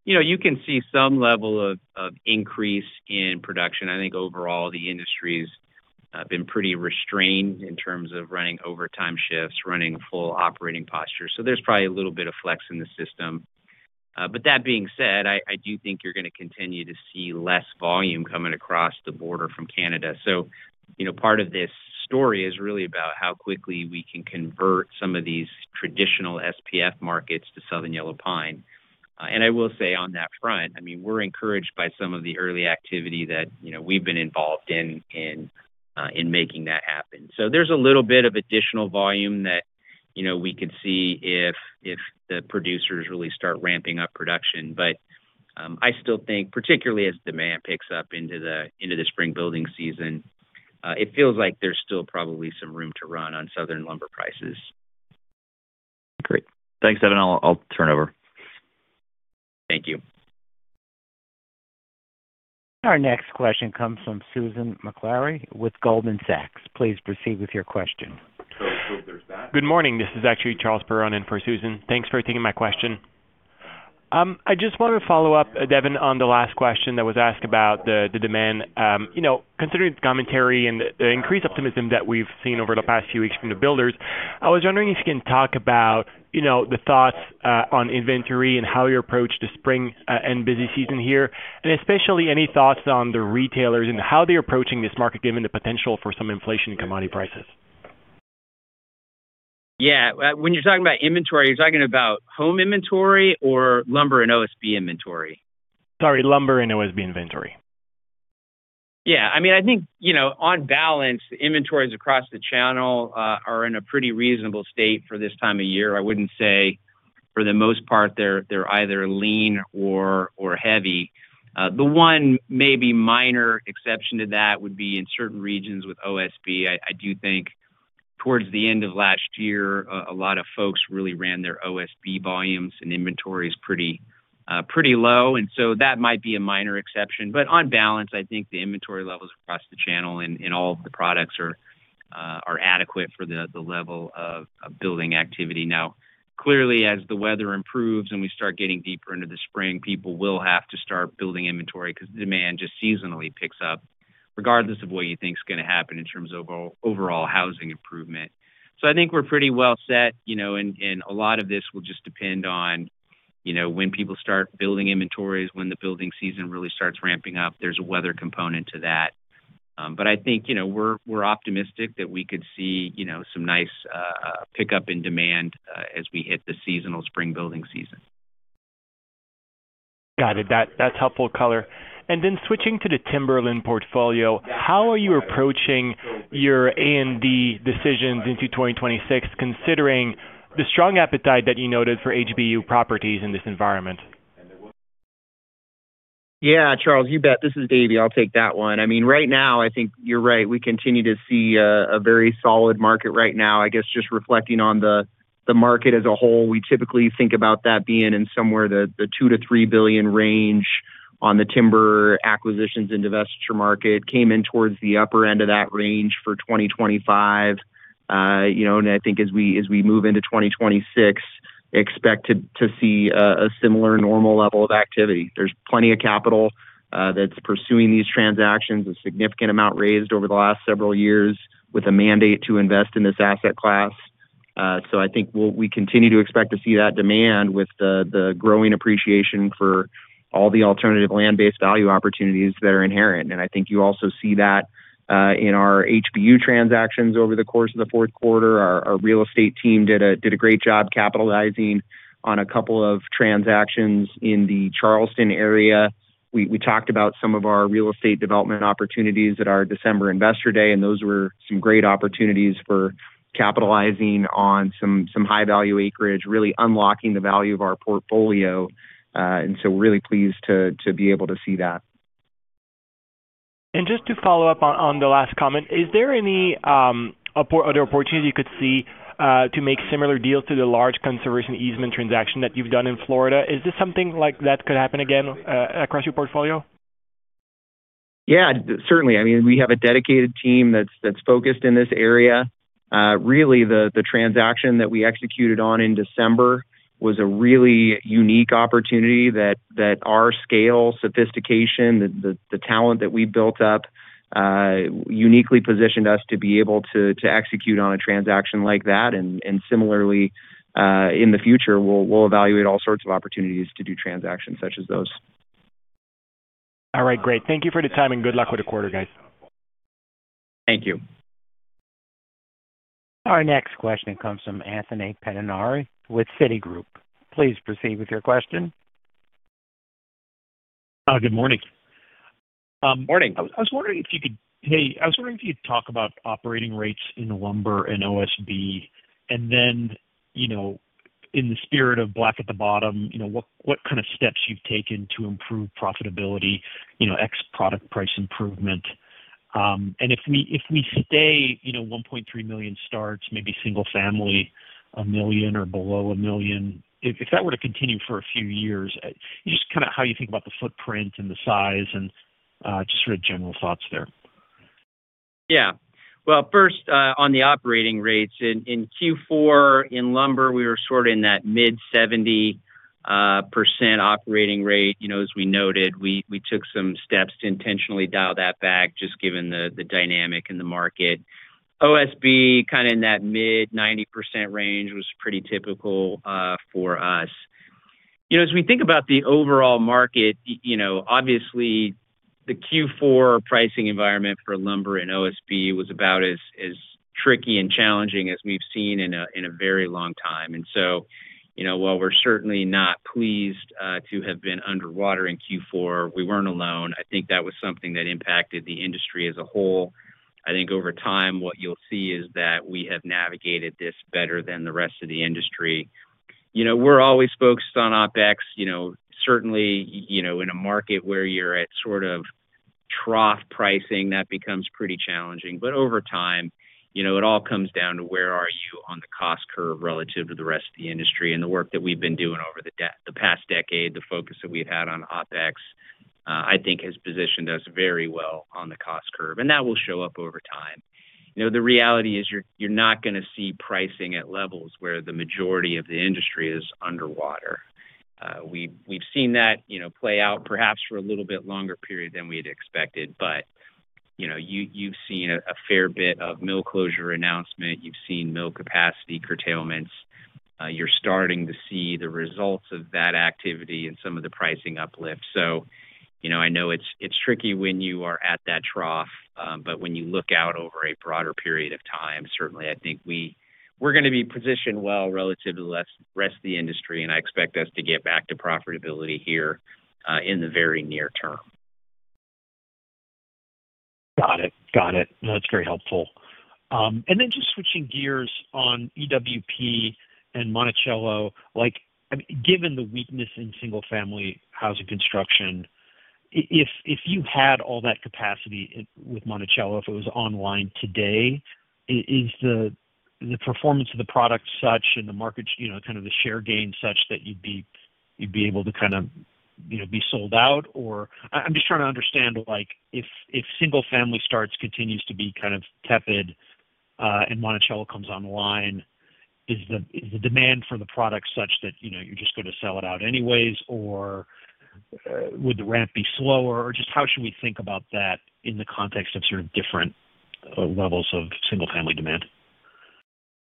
you know, you can see some level of increase in production. I think overall, the industry's been pretty restrained in terms of running overtime shifts, running full operating posture, so there's probably a little bit of flex in the system. But that being said, I do think you're gonna continue to see less volume coming across the border from Canada. So, you know, part of this story is really about how quickly we can convert some of these traditional SPF markets to Southern yellow pine. And I will say on that front, I mean, we're encouraged by some of the early activity that, you know, we've been involved in making that happen. So there's a little bit of additional volume that, you know, we could see if the producers really start ramping up production. But I still think, particularly as demand picks up into the spring building season. It feels like there's still probably some room to run on Southern lumber prices. Great. Thanks, Devin. I'll turn over. Thank you. Our next question comes from Susan Maklari with Goldman Sachs. Please proceed with your question. Good morning. This is actually Charles Barone in for Susan. Thanks for taking my question. I just wanted to follow up, Devin, on the last question that was asked about the, the demand. You know, considering the commentary and the increased optimism that we've seen over the past few weeks from the builders, I was wondering if you can talk about, you know, the thoughts, on inventory and how you approach the spring, and busy season here, and especially any thoughts on the retailers and how they're approaching this market, given the potential for some inflation in commodity prices. Yeah. When you're talking about inventory, you're talking about home inventory or lumber and OSB inventory? Sorry, lumber and OSB inventory. Yeah. I mean, I think, you know, on balance, inventories across the channel are in a pretty reasonable state for this time of year. I wouldn't say, for the most part, they're either lean or heavy. The one maybe minor exception to that would be in certain regions with OSB. I do think towards the end of last year, a lot of folks really ran their OSB volumes and inventories pretty low, and so that might be a minor exception. But on balance, I think the inventory levels across the channel and all of the products are adequate for the level of building activity. Now, clearly, as the weather improves and we start getting deeper into the spring, people will have to start building inventory because demand just seasonally picks up, regardless of what you think is gonna happen in terms of overall housing improvement. So I think we're pretty well set, you know, and a lot of this will just depend on, you know, when people start building inventories, when the building season really starts ramping up. There's a weather component to that. But I think, you know, we're optimistic that we could see, you know, some nice pickup in demand as we hit the seasonal spring building season. Got it. That's helpful color. And then switching to the timberland portfolio, how are you approaching your A&D decisions into 2026, considering the strong appetite that you noted for HBU properties in this environment? Yeah, Charles, you bet. This is David. I'll take that one. I mean, right now, I think you're right. We continue to see a very solid market right now. I guess, just reflecting on the market as a whole, we typically think about that being in somewhere the $2 billion-$3 billion range on the timber acquisitions and divestiture market. Came in towards the upper end of that range for 2025. You know, and I think as we move into 2026, expect to see a similar normal level of activity. There's plenty of capital that's pursuing these transactions. A significant amount raised over the last several years with a mandate to invest in this asset class. So I think we continue to expect to see that demand with the growing appreciation for all the alternative land-based value opportunities that are inherent. And I think you also see that in our HBU transactions over the course of the fourth quarter. Our real estate team did a great job capitalizing on a couple of transactions in the Charleston area. We talked about some of our real estate development opportunities at our December Investor Day, and those were some great opportunities for capitalizing on some high-value acreage, really unlocking the value of our portfolio. And so we're really pleased to be able to see that. And just to follow up on the last comment, is there any other opportunities you could see to make similar deals to the large conservation easement transaction that you've done in Florida? Is this something like that could happen again across your portfolio? Yeah, certainly. I mean, we have a dedicated team that's focused in this area. Really, the transaction that we executed on in December was a really unique opportunity that our scale, sophistication, the talent that we built up uniquely positioned us to be able to execute on a transaction like that. And similarly, in the future, we'll evaluate all sorts of opportunities to do transactions such as those. All right, great. Thank you for the time, and good luck with the quarter, guys. Thank you. Our next question comes from Anthony Pettinari with Citigroup. Please proceed with your question. Good morning. Morning. Hey, I was wondering if you could talk about operating rates in the lumber and OSB, and then, you know, in the spirit of black at the bottom, you know, what kind of steps you've taken to improve profitability, you know, ex product price improvement? And if we stay, you know, 1.3 million starts, maybe single family, 1 million or below 1 million, if that were to continue for a few years, just kind of how you think about the footprint and the size and, just sort of general thoughts there. Yeah. Well, first, on the operating rates, in Q4, in lumber, we were sort of in that mid-70% operating rate. You know, as we noted, we took some steps to intentionally dial that back, just given the dynamic in the market. OSB, kind of in that mid-90% range, was pretty typical for us. You know, as we think about the overall market, you know, obviously the Q4 pricing environment for lumber and OSB was about as tricky and challenging as we've seen in a very long time. And so, you know, while we're certainly not pleased to have been underwater in Q4, we weren't alone. I think that was something that impacted the industry as a whole. I think over time, what you'll see is that we have navigated this better than the rest of the industry. You know, we're always focused on OpEx. You know, certainly, you know, in a market where you're at sort of trough pricing, that becomes pretty challenging. But over time, you know, it all comes down to where are you on the cost curve relative to the rest of the industry? And the work that we've been doing over the past decade, the focus that we've had on OpEx, I think has positioned us very well on the cost curve, and that will show up over time. You know, the reality is, you're not gonna see pricing at levels where the majority of the industry is underwater. We've seen that, you know, play out perhaps for a little bit longer period than we had expected. You know, you've seen a fair bit of mill closure announcement, you've seen mill capacity curtailments. You're starting to see the results of that activity and some of the pricing uplift. So, you know, I know it's tricky when you are at that trough, but when you look out over a broader period of time, certainly I think we're gonna be positioned well relative to the rest of the industry, and I expect us to get back to profitability here in the very near term. Got it. Got it. No, that's very helpful. And then just switching gears on EWP and Monticello, like, I mean, given the weakness in single family housing construction, if, if you had all that capacity in with Monticello, if it was online today, is the performance of the product such, and the market, you know, kind of the share gain such that you'd be, you'd be able to kind of, you know, be sold out? Or I'm just trying to understand, like, if, if single family starts continues to be kind of tepid, and Monticello comes online, is the demand for the product such that, you know, you're just gonna sell it out anyways, or, would the ramp be slower? Or just how should we think about that in the context of sort of different levels of single family demand?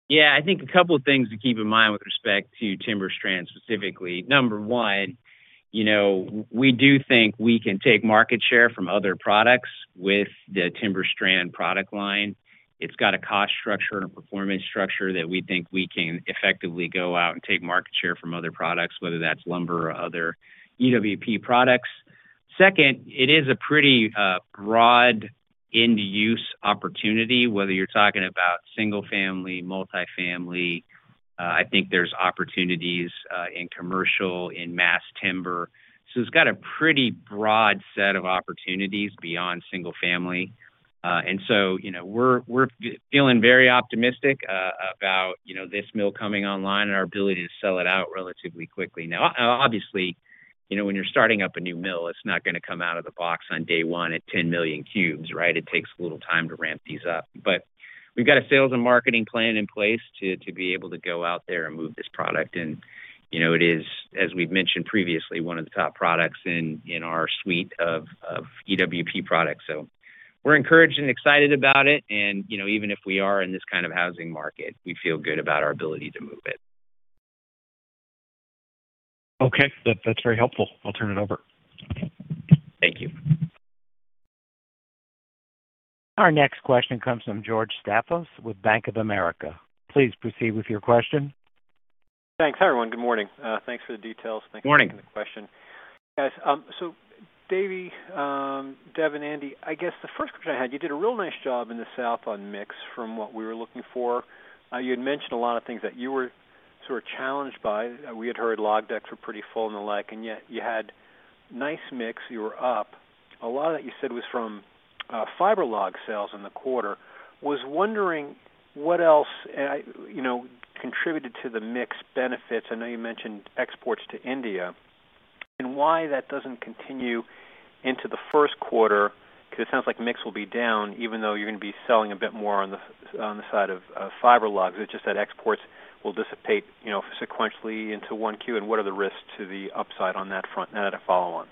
Yeah, I think a couple of things to keep in mind with respect to TimberStrand, specifically. Number one, you know, we do think we can take market share from other products with the TimberStrand product line. It's got a cost structure and a performance structure that we think we can effectively go out and take market share from other products, whether that's lumber or other EWP products. Second, it is a pretty broad end-use opportunity, whether you're talking about single family, multifamily. I think there's opportunities in commercial, in mass timber. So it's got a pretty broad set of opportunities beyond single family. And so, you know, we're feeling very optimistic about, you know, this mill coming online and our ability to sell it out relatively quickly. Now, obviously, you know, when you're starting up a new mill, it's not gonna come out of the box on day one at 10 million cubes, right? It takes a little time to ramp these up. But we've got a sales and marketing plan in place to be able to go out there and move this product. And, you know, it is, as we've mentioned previously, one of the top products in our suite of EWP products. So we're encouraged and excited about it, and, you know, even if we are in this kind of housing market, we feel good about our ability to move it. Okay. That, that's very helpful. I'll turn it over. Thank you. Our next question comes from George Staphos with Bank of America. Please proceed with your question. Thanks, everyone. Good morning. Thanks for the details. Morning. Thank you for the question. Guys, so Davey, Dev, and Andy, I guess the first question I had: You did a real nice job in the South on mix from what we were looking for. You had mentioned a lot of things that you were sort of challenged by. We had heard log decks were pretty full and the like, and yet you had nice mix. You were up. A lot of that you said was from fiber log sales in the quarter. Was wondering what else, you know, contributed to the mix benefits. I know you mentioned exports to India, and why that doesn't continue into the first quarter? Because it sounds like mix will be down, even though you're gonna be selling a bit more on the, on the side of fiber logs. It's just that exports will dissipate, you know, sequentially into Q1, and what are the risks to the upside on that front? Now to follow on.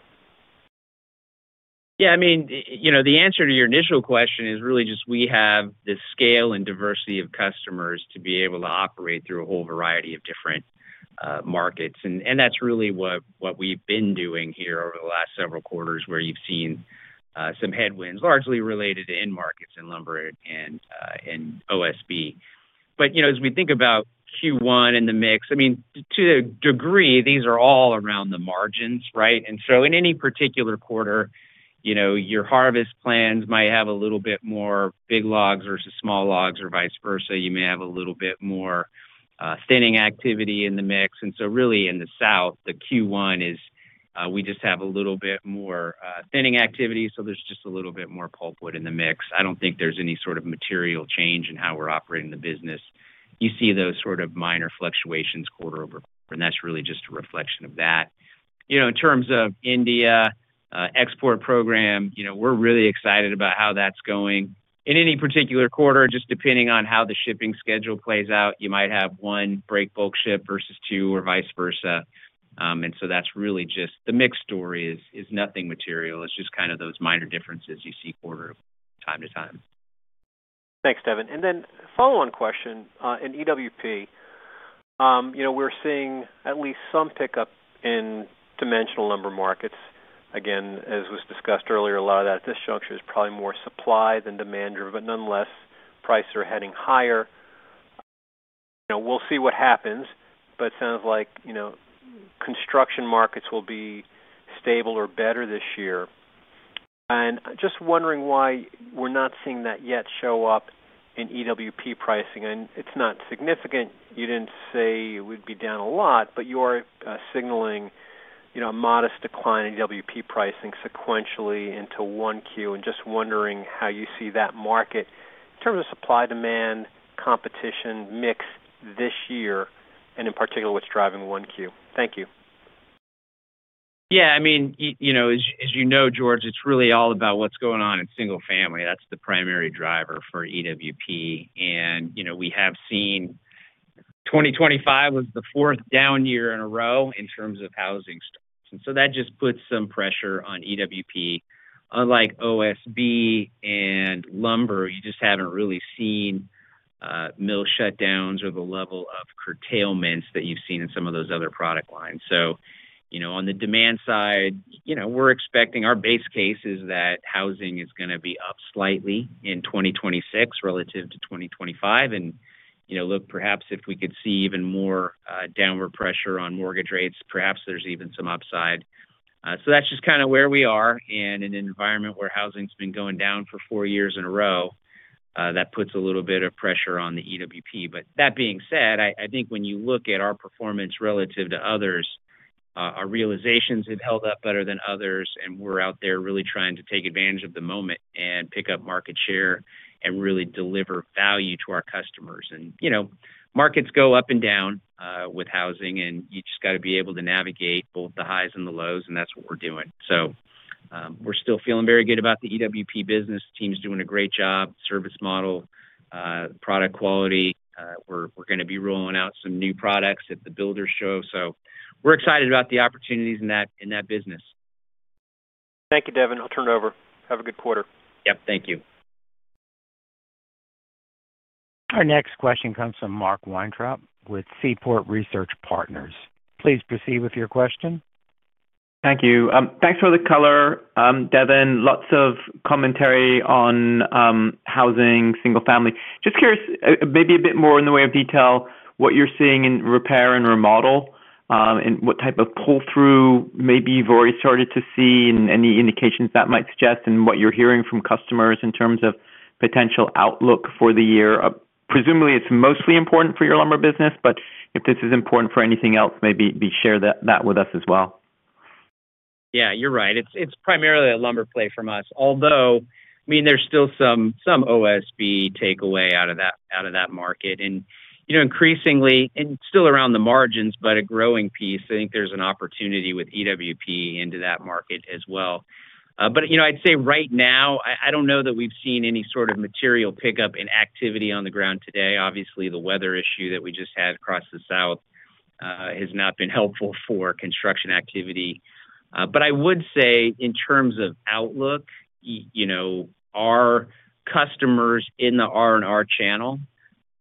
Yeah, I mean, you know, the answer to your initial question is really just we have the scale and diversity of customers to be able to operate through a whole variety of different markets. And that's really what we've been doing here over the last several quarters, where you've seen some headwinds, largely related to end markets in lumber and OSB. But, you know, as we think about Q1 and the mix, I mean, to a degree, these are all around the margins, right? And so in any particular quarter, you know, your harvest plans might have a little bit more big logs versus small logs or vice versa. You may have a little bit more thinning activity in the mix. And so really, in the South, the Q1 is, we just have a little bit more thinning activity, so there's just a little bit more pulpwood in the mix. I don't think there's any sort of material change in how we're operating the business. You see those sort of minor fluctuations quarter over, and that's really just a reflection of that. You know, in terms of India export program, you know, we're really excited about how that's going. In any particular quarter, just depending on how the shipping schedule plays out, you might have one break bulk ship versus two or vice versa. And so that's really just the mix story is nothing material. It's just kind of those minor differences you see quarter of time to time. Thanks, Devin. And then a follow-on question in EWP. You know, we're seeing at least some pickup in dimensional lumber markets. Again, as was discussed earlier, a lot of that at this juncture is probably more supply than demand driven. But nonetheless, prices are heading higher. You know, we'll see what happens, but it sounds like, you know, construction markets will be stable or better this year... And just wondering why we're not seeing that yet show up in EWP pricing. And it's not significant. You didn't say it would be down a lot, but you are signaling, you know, a modest decline in EWP pricing sequentially into Q1. And just wondering how you see that market in terms of supply, demand, competition, mix this year, and in particular, what's driving Q1. Thank you. Yeah, I mean, you know, as you know, George, it's really all about what's going on in single family. That's the primary driver for EWP. And, you know, we have seen 2025 was the fourth down year in a row in terms of housing starts, and so that just puts some pressure on EWP. Unlike OSB and lumber, you just haven't really seen mill shutdowns or the level of curtailments that you've seen in some of those other product lines. So, you know, on the demand side, you know, we're expecting, our base case is that housing is gonna be up slightly in 2026 relative to 2025. And, you know, look, perhaps if we could see even more downward pressure on mortgage rates, perhaps there's even some upside. So that's just kinda where we are in an environment where housing's been going down for four years in a row. That puts a little bit of pressure on the EWP. But that being said, I think when you look at our performance relative to others, our realizations have held up better than others, and we're out there really trying to take advantage of the moment and pick up market share and really deliver value to our customers. And, you know, markets go up and down with housing, and you just gotta be able to navigate both the highs and the lows, and that's what we're doing. So, we're still feeling very good about the EWP business. Team's doing a great job, service model, product quality. We're gonna be rolling out some new products at the builder show, so we're excited about the opportunities in that business. Thank you, Devin. I'll turn it over. Have a good quarter. Yep, thank you. Our next question comes from Mark Weintraub with Seaport Research Partners. Please proceed with your question. Thank you. Thanks for the color, Devin. Lots of commentary on housing, single-family. Just curious, maybe a bit more in the way of detail, what you're seeing in repair and remodel, and what type of pull-through maybe you've already started to see, and any indications that might suggest, and what you're hearing from customers in terms of potential outlook for the year. Presumably, it's mostly important for your lumber business, but if this is important for anything else, maybe share that with us as well. Yeah, you're right. It's primarily a lumber play from us, although, I mean, there's still some OSB takeaway out of that market. And, you know, increasingly, and still around the margins, but a growing piece, I think there's an opportunity with EWP into that market as well. But, you know, I'd say right now, I don't know that we've seen any sort of material pickup in activity on the ground today. Obviously, the weather issue that we just had across the South has not been helpful for construction activity. But I would say in terms of outlook, you know, our customers in the R&R channel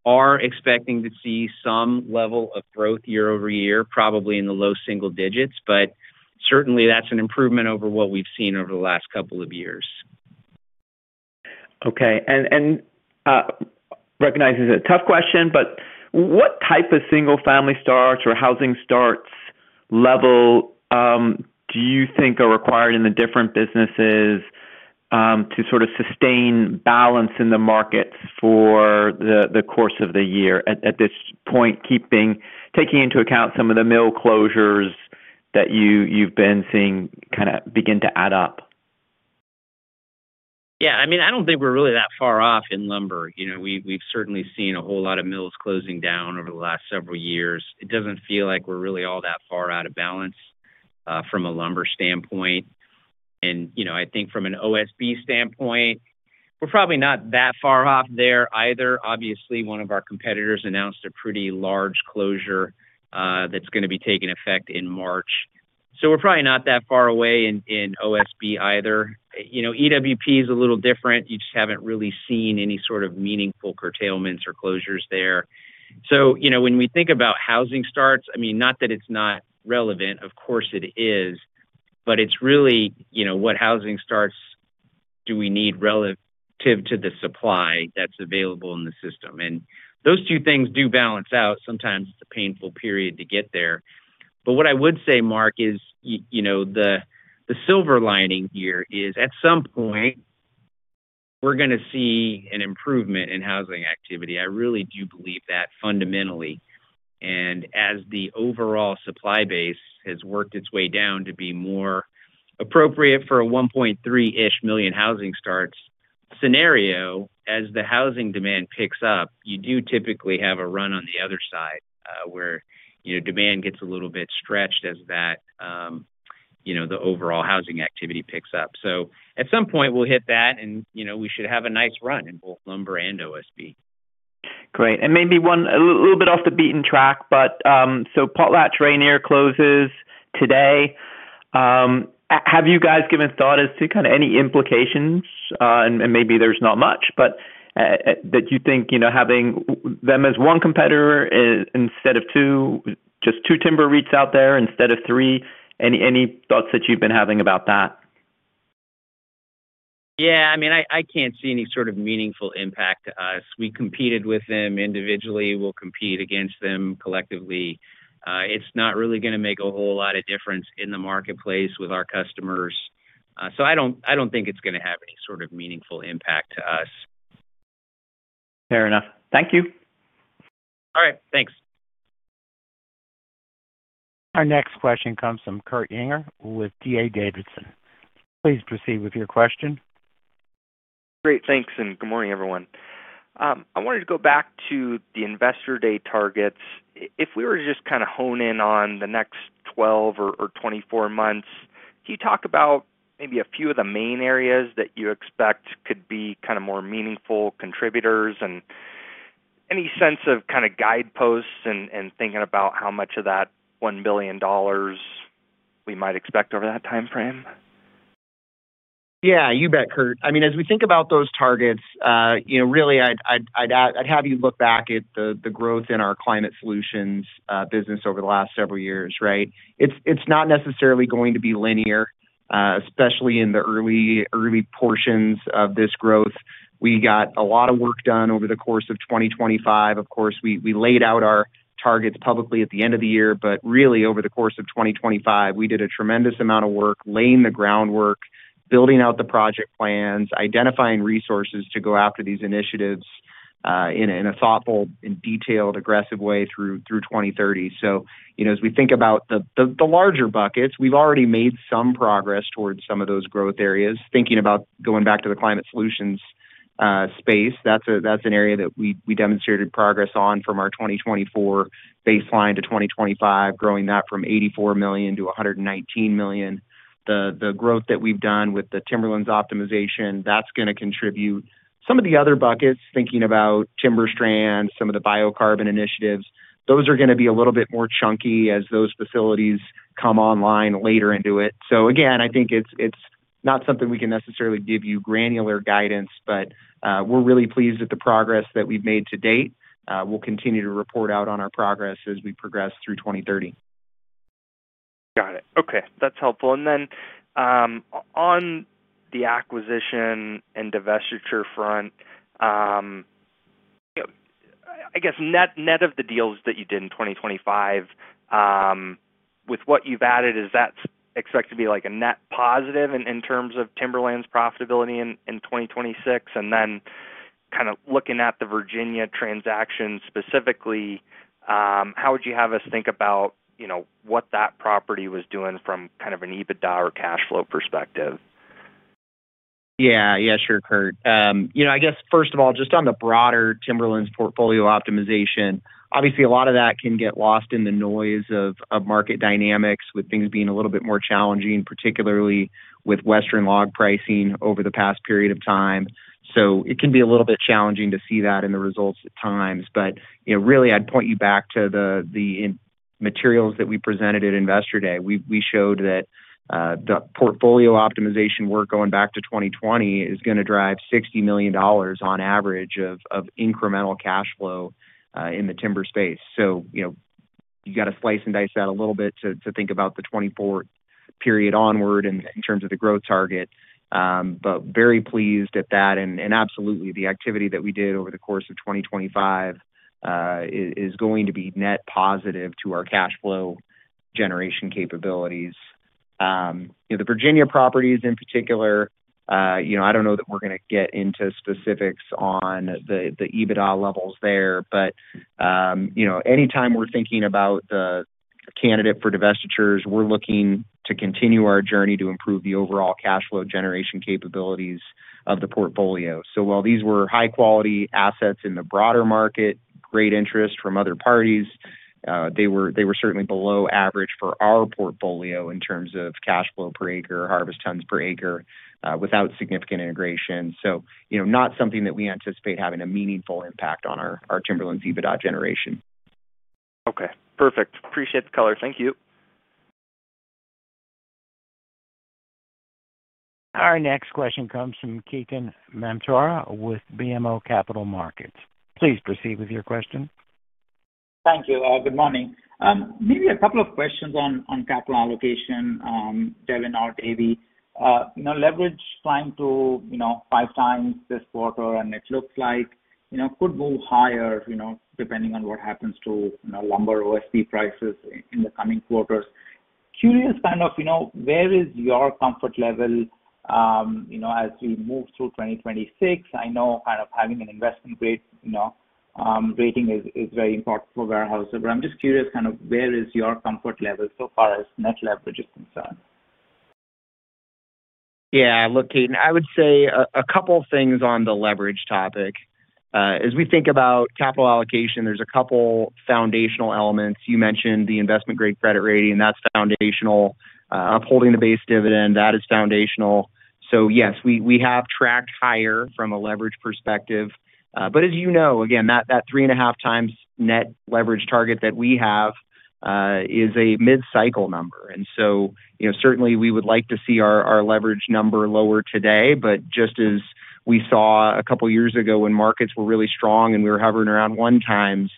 are expecting to see some level of growth year-over-year, probably in the low single digits, but certainly that's an improvement over what we've seen over the last couple of years. Okay. And, recognizing it's a tough question, but what type of single family starts or housing starts level do you think are required in the different businesses to sort of sustain balance in the markets for the course of the year at this point, taking into account some of the mill closures that you've been seeing kinda begin to add up? Yeah, I mean, I don't think we're really that far off in lumber. You know, we've certainly seen a whole lot of mills closing down over the last several years. It doesn't feel like we're really all that far out of balance from a lumber standpoint. You know, I think from an OSB standpoint, we're probably not that far off there either. Obviously, one of our competitors announced a pretty large closure that's gonna be taking effect in March. So we're probably not that far away in OSB either. You know, EWP is a little different. You just haven't really seen any sort of meaningful curtailments or closures there. So, you know, when we think about housing starts, I mean, not that it's not relevant, of course it is, but it's really, you know, what housing starts do we need relative to the supply that's available in the system? And those two things do balance out. Sometimes it's a painful period to get there. But what I would say, Mark, is you know, the silver lining here is, at some point, we're gonna see an improvement in housing activity. I really do believe that fundamentally. And as the overall supply base has worked its way down to be more appropriate for a 1.3-ish million housing starts scenario, as the housing demand picks up, you do typically have a run on the other side, where, you know, demand gets a little bit stretched as that, you know, the overall housing activity picks up. At some point, we'll hit that, and, you know, we should have a nice run in both lumber and OSB. Great. Maybe one a little bit off the beaten track, but so Potlatch Rayonier closes today. Have you guys given thought as to kinda any implications? And maybe there's not much, but that you think, you know, having them as one competitor instead of two, just two timber REITs out there instead of three, any thoughts that you've been having about that? ...Yeah, I mean, I can't see any sort of meaningful impact to us. We competed with them individually. We'll compete against them collectively. It's not really gonna make a whole lot of difference in the marketplace with our customers. So I don't think it's gonna have any sort of meaningful impact to us. Fair enough. Thank you. All right, thanks. Our next question comes from Kurt Yinger with D.A. Davidson. Please proceed with your question. Great. Thanks, and good morning, everyone. I wanted to go back to the Investor Day targets. If we were to just kind of hone in on the next 12 or, or 24 months, can you talk about maybe a few of the main areas that you expect could be kind of more meaningful contributors, and any sense of kind of guideposts and, and thinking about how much of that $1 billion we might expect over that timeframe? Yeah, you bet, Kurt. I mean, as we think about those targets, you know, really, I'd have you look back at the growth in our climate solutions business over the last several years, right? It's not necessarily going to be linear, especially in the early portions of this growth. We got a lot of work done over the course of 2025. Of course, we laid out our targets publicly at the end of the year, but really, over the course of 2025, we did a tremendous amount of work laying the groundwork, building out the project plans, identifying resources to go after these initiatives in a thoughtful and detailed, aggressive way through 2030. So, you know, as we think about the larger buckets, we've already made some progress towards some of those growth areas. Thinking about going back to the climate solutions space, that's an area that we demonstrated progress on from our 2024 baseline to 2025, growing that from $84 million to $119 million. The growth that we've done with the Timberlands optimization, that's gonna contribute. Some of the other buckets, thinking about timber strand, some of the biocarbon initiatives, those are gonna be a little bit more chunky as those facilities come online later into it. So again, I think it's not something we can necessarily give you granular guidance, but we're really pleased with the progress that we've made to date. We'll continue to report out on our progress as we progress through 2030. Got it. Okay, that's helpful. And then, on the acquisition and divestiture front, I guess net, net of the deals that you did in 2025, with what you've added, is that expected to be like a net positive in, in terms of Timberlands profitability in, in 2026? And then kind of looking at the Virginia transaction specifically, how would you have us think about, you know, what that property was doing from kind of an EBITDA or cash flow perspective? Yeah. Yeah, sure, Kurt. You know, I guess, first of all, just on the broader Timberlands portfolio optimization, obviously, a lot of that can get lost in the noise of, of market dynamics, with things being a little bit more challenging, particularly with Western log pricing over the past period of time. So it can be a little bit challenging to see that in the results at times. But, you know, really, I'd point you back to the, the investor materials that we presented at Investor Day. We, we showed that, the portfolio optimization work going back to 2020 is gonna drive $60 million on average of, of incremental cash flow, in the timber space. So, you know, you got to slice and dice that a little bit to, to think about the 2024 period onward in, in terms of the growth target. But very pleased at that. And absolutely, the activity that we did over the course of 2025 is going to be net positive to our cash flow generation capabilities. You know, the Virginia properties in particular, you know, I don't know that we're gonna get into specifics on the EBITDA levels there, but you know, anytime we're thinking about the candidate for divestitures, we're looking to continue our journey to improve the overall cash flow generation capabilities of the portfolio. So while these were high-quality assets in the broader market, great interest from other parties, they were certainly below average for our portfolio in terms of cash flow per acre, harvest tons per acre, without significant integration. So you know, not something that we anticipate having a meaningful impact on our Timberlands EBITDA generation. Okay, perfect. Appreciate the color. Thank you. Our next question comes from Ketan Mamtora with BMO Capital Markets. Please proceed with your question. Thank you, good morning. Maybe a couple of questions on capital allocation, telling our AB. You know, leverage climbed to 5x this quarter, and it looks like, you know, could move higher, you know, depending on what happens to, you know, lumber OSB prices in the coming quarters. Curious, kind of, you know, where is your comfort level, you know, as we move through 2026? I know kind of having an investment grade, you know, rating is, is very important for Weyerhaeuser, but I'm just curious, kind of, where is your comfort level so far as net leverage is concerned? Yeah. Look, Ketan, I would say a couple of things on the leverage topic. As we think about capital allocation, there's a couple foundational elements. You mentioned the investment-grade credit rating, that's foundational. Upholding the base dividend, that is foundational. So yes, we have tracked higher from a leverage perspective, but as you know, again, that 3.5x net leverage target that we have is a mid-cycle number. And so, you know, certainly we would like to see our leverage number lower today, but just as we saw a couple of years ago when markets were really strong and we were hovering around 1x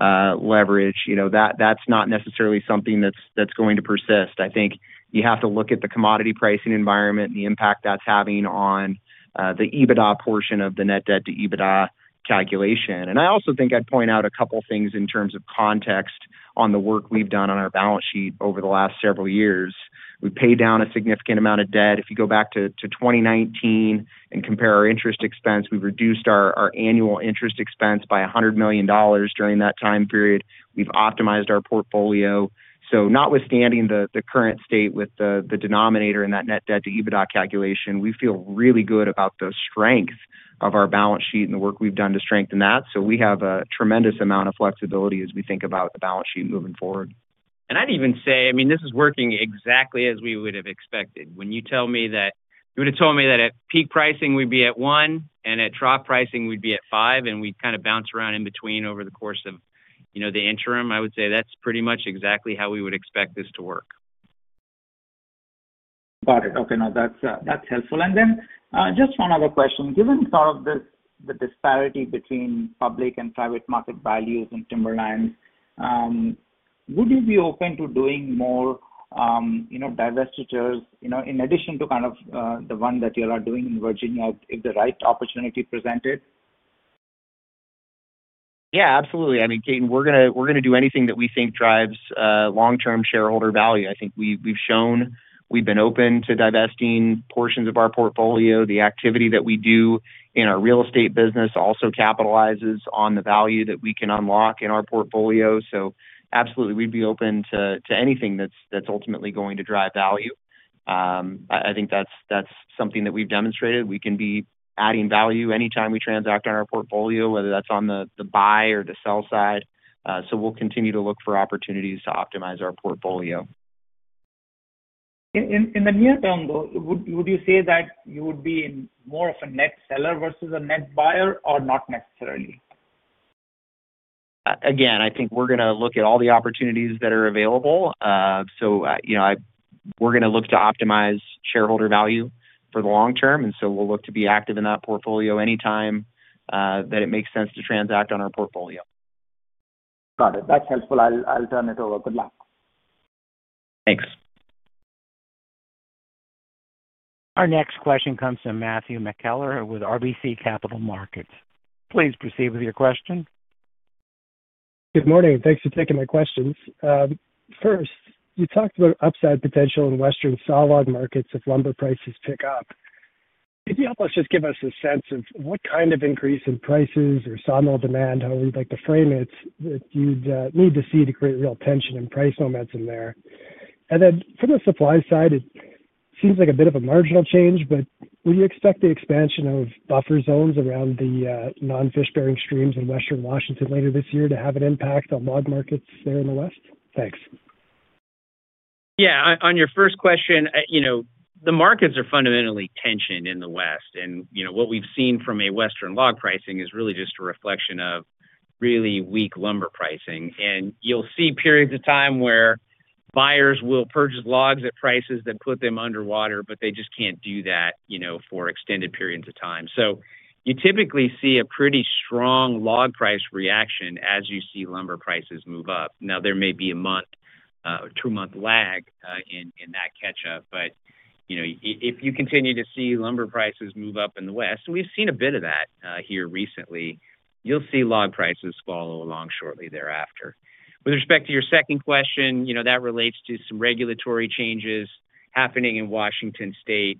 leverage, you know, that's not necessarily something that's going to persist. I think you have to look at the commodity pricing environment and the impact that's having on the EBITDA portion of the net debt to EBITDA calculation. And I also think I'd point out a couple things in terms of context on the work we've done on our balance sheet over the last several years. We paid down a significant amount of debt. If you go back to 2019 and compare our interest expense, we've reduced our annual interest expense by $100 million during that time period. We've optimized our portfolio. So notwithstanding the current state with the denominator in that net debt to EBITDA calculation, we feel really good about the strength of our balance sheet and the work we've done to strengthen that. So we have a tremendous amount of flexibility as we think about the balance sheet moving forward. I'd even say, I mean, this is working exactly as we would have expected. When you tell me that, you would have told me that at peak pricing, we'd be at one, and at trough pricing, we'd be at five, and we'd kind of bounce around in between over the course of, you know, the interim, I would say that's pretty much exactly how we would expect this to work. Got it. Okay, now, that's, that's helpful. And then, just one other question. Given sort of the disparity between public and private market values in Timberland, would you be open to doing more, you know, divestitures, you know, in addition to kind of, the one that you are doing in Virginia, if the right opportunity presented? Yeah, absolutely. I mean, Ketan, we're gonna, we're gonna do anything that we think drives long-term shareholder value. I think we've, we've shown we've been open to divesting portions of our portfolio. The activity that we do in our real estate business also capitalizes on the value that we can unlock in our portfolio. So absolutely, we'd be open to, to anything that's, that's ultimately going to drive value. I think that's, that's something that we've demonstrated. We can be adding value anytime we transact on our portfolio, whether that's on the, the buy or the sell side. So we'll continue to look for opportunities to optimize our portfolio. In the near term, though, would you say that you would be more of a net seller versus a net buyer, or not necessarily? Again, I think we're gonna look at all the opportunities that are available. So, you know, we're gonna look to optimize shareholder value for the long term, and so we'll look to be active in that portfolio anytime that it makes sense to transact on our portfolio. Got it. That's helpful. I'll, I'll turn it over. Good luck. Thanks. Our next question comes from Matthew McKellar with RBC Capital Markets. Please proceed with your question. Good morning, thanks for taking my questions. First, you talked about upside potential in western sawlog markets if lumber prices pick up. Could you help us just give us a sense of what kind of increase in prices or sawmill demand, however you'd like to frame it, that you'd need to see to create real tension and price moments in there? And then from the supply side, it seems like a bit of a marginal change, but will you expect the expansion of buffer zones around the non-fish-bearing streams in western Washington later this year to have an impact on log markets there in the West? Thanks. Yeah. On your first question, you know, the markets are fundamentally tensioned in the West, and, you know, what we've seen from a western log pricing is really just a reflection of really weak lumber pricing. And you'll see periods of time where buyers will purchase logs at prices that put them underwater, but they just can't do that, you know, for extended periods of time. So you typically see a pretty strong log price reaction as you see lumber prices move up. Now, there may be a month, two-month lag in that catch-up, but, you know, if you continue to see lumber prices move up in the West, we've seen a bit of that here recently, you'll see log prices follow along shortly thereafter. With respect to your second question, you know, that relates to some regulatory changes happening in Washington state.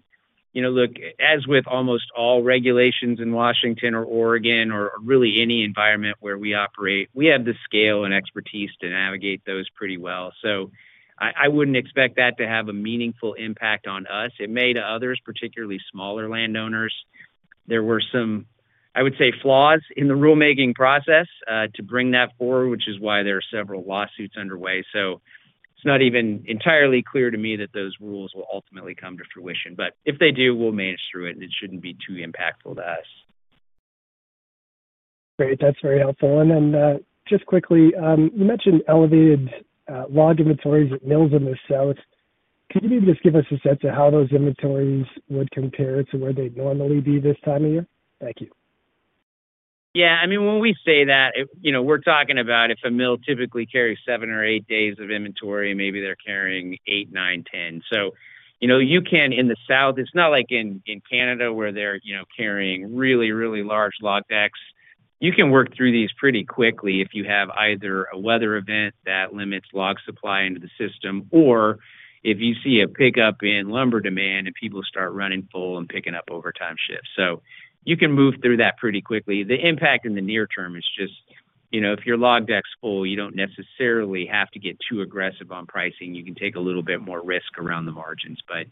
You know, look, as with almost all regulations in Washington or Oregon or really any environment where we operate, we have the scale and expertise to navigate those pretty well. So I, I wouldn't expect that to have a meaningful impact on us. It may to others, particularly smaller landowners. There were some, I would say, flaws in the rulemaking process to bring that forward, which is why there are several lawsuits underway. So it's not even entirely clear to me that those rules will ultimately come to fruition, but if they do, we'll manage through it, and it shouldn't be too impactful to us. Great, that's very helpful. And then, just quickly, you mentioned elevated log inventories at mills in the South. Could you just give us a sense of how those inventories would compare to where they'd normally be this time of year? Thank you. Yeah, I mean, when we say that, it, you know, we're talking about if a mill typically carries seven or eight days of inventory, maybe they're carrying eight, nine 10. So, you know, you can in the South, it's not like in Canada, where they're, you know, carrying really, really large log decks. You can work through these pretty quickly if you have either a weather event that limits log supply into the system, or if you see a pickup in lumber demand and people start running full and picking up overtime shifts. So you can move through that pretty quickly. The impact in the near term is just, you know, if your log deck's full, you don't necessarily have to get too aggressive on pricing. You can take a little bit more risk around the margins. But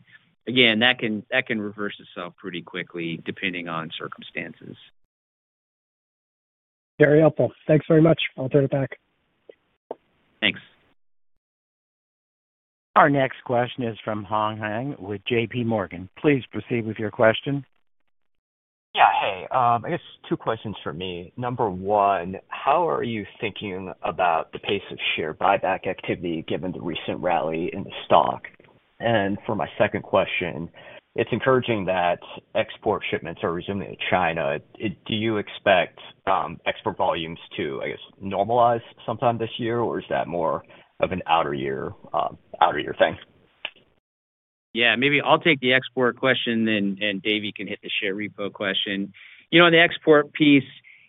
again, that can reverse itself pretty quickly, depending on circumstances. Very helpful. Thanks very much. I'll turn it back. Thanks. Our next question is from Hong Zhang with JP Morgan. Please proceed with your question. Yeah, hey, I guess two questions for me. Number one, how are you thinking about the pace of share buyback activity given the recent rally in the stock?... And for my second question, it's encouraging that export shipments are resuming to China. Do you expect export volumes to, I guess, normalize sometime this year, or is that more of an outer year thing? Yeah, maybe I'll take the export question, then, and David can hit the share repo question. You know, in the export piece,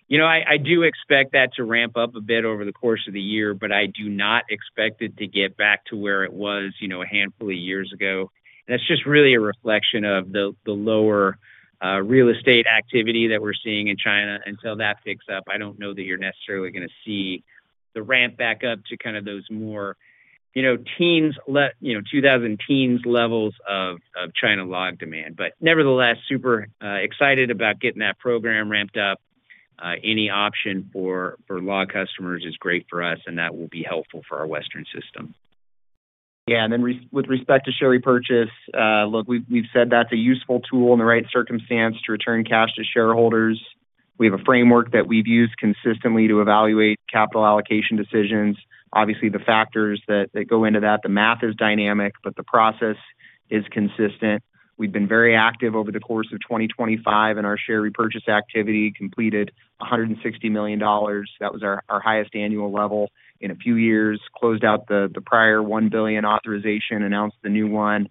you know, I, I do expect that to ramp up a bit over the course of the year, but I do not expect it to get back to where it was, you know, a handful of years ago. And that's just really a reflection of the, the lower real estate activity that we're seeing in China. Until that picks up, I don't know that you're necessarily gonna see the ramp back up to kind of those more, you know, teens levels of China log demand. But nevertheless, super excited about getting that program ramped up. Any option for log customers is great for us, and that will be helpful for our Western system. Yeah, and then with respect to share repurchase, look, we've said that's a useful tool in the right circumstance to return cash to shareholders. We have a framework that we've used consistently to evaluate capital allocation decisions. Obviously, the factors that go into that, the math is dynamic, but the process is consistent. We've been very active over the course of 2025, and our share repurchase activity completed $160 million. That was our highest annual level in a few years. Closed out the prior $1 billion authorization, announced the new one.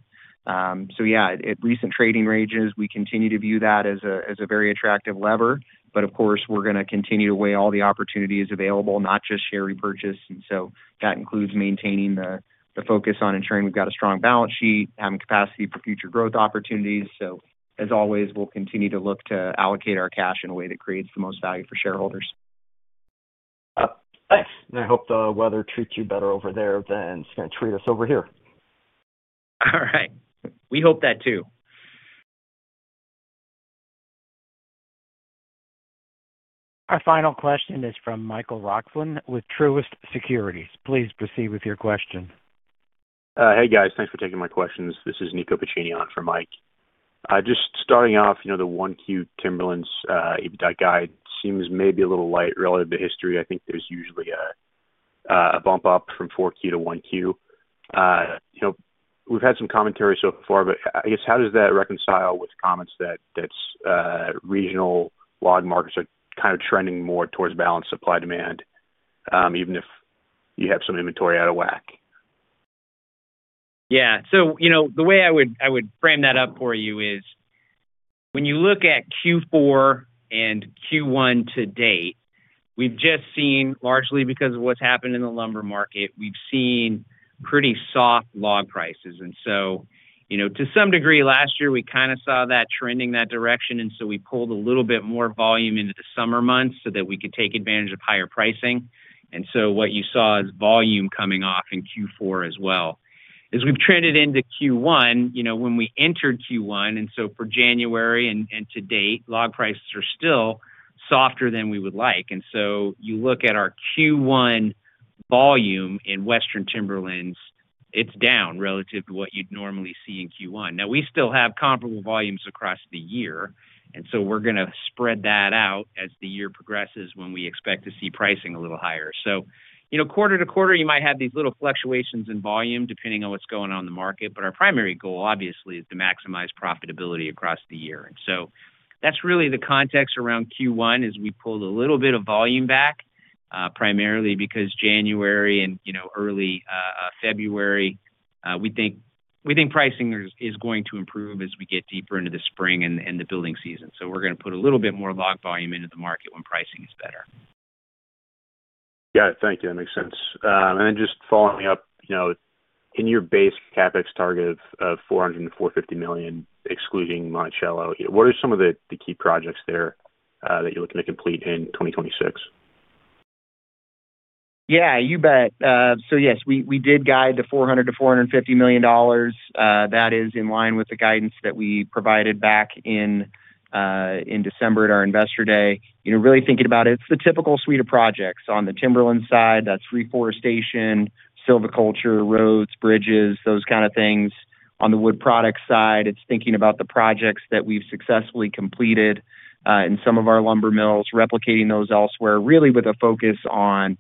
So yeah, at recent trading ranges, we continue to view that as a very attractive lever. But of course, we're gonna continue to weigh all the opportunities available, not just share repurchase. And so that includes maintaining the focus on ensuring we've got a strong balance sheet, having capacity for future growth opportunities. So as always, we'll continue to look to allocate our cash in a way that creates the most value for shareholders. Thanks. And I hope the weather treats you better over there than it's gonna treat us over here. All right. We hope that too. Our final question is from Michael Roxland with Truist Securities. Please proceed with your question. Hey, guys. Thanks for taking my questions. This is Nico Piccini for Mike. Just starting off, you know, the Q1 Timberlands EBITDA guide seems maybe a little light relative to history. I think there's usually a bump up from Q4 to Q1. You know, we've had some commentary so far, but I guess, how does that reconcile with comments that that's regional log markets are kind of trending more towards balanced supply demand, even if you have some inventory out of whack? Yeah. So, you know, the way I would, I would frame that up for you is, when you look at Q4 and Q1 to date, we've just seen, largely because of what's happened in the lumber market, we've seen pretty soft log prices. And so, you know, to some degree, last year, we kind of saw that trending that direction, and so we pulled a little bit more volume into the summer months so that we could take advantage of higher pricing. And so what you saw is volume coming off in Q4 as well. As we've trended into Q1, you know, when we entered Q1, and so for January and to date, log prices are still softer than we would like. And so you look at our Q1 volume in Western Timberlands, it's down relative to what you'd normally see in Q1. Now, we still have comparable volumes across the year, and so we're gonna spread that out as the year progresses, when we expect to see pricing a little higher. So, you know, quarter to quarter, you might have these little fluctuations in volume, depending on what's going on in the market, but our primary goal, obviously, is to maximize profitability across the year. And so that's really the context around Q1; we pulled a little bit of volume back primarily because January and, you know, early February, we think pricing is going to improve as we get deeper into the spring and the building season. So we're gonna put a little bit more log volume into the market when pricing is better. Yeah. Thank you. That makes sense. And then just following up, you know, in your base CapEx target of $400 million-$450 million, excluding Monticello, what are some of the key projects there that you're looking to complete in 2026? Yeah, you bet. So yes, we did guide the $400 million-$450 million. That is in line with the guidance that we provided back in December at our Investor Day. You know, really thinking about it, it's the typical suite of projects. On the Timberlands side, that's reforestation, silviculture, roads, bridges, those kind of things. On the wood products side, it's thinking about the projects that we've successfully completed in some of our lumber mills, replicating those elsewhere, really with a focus on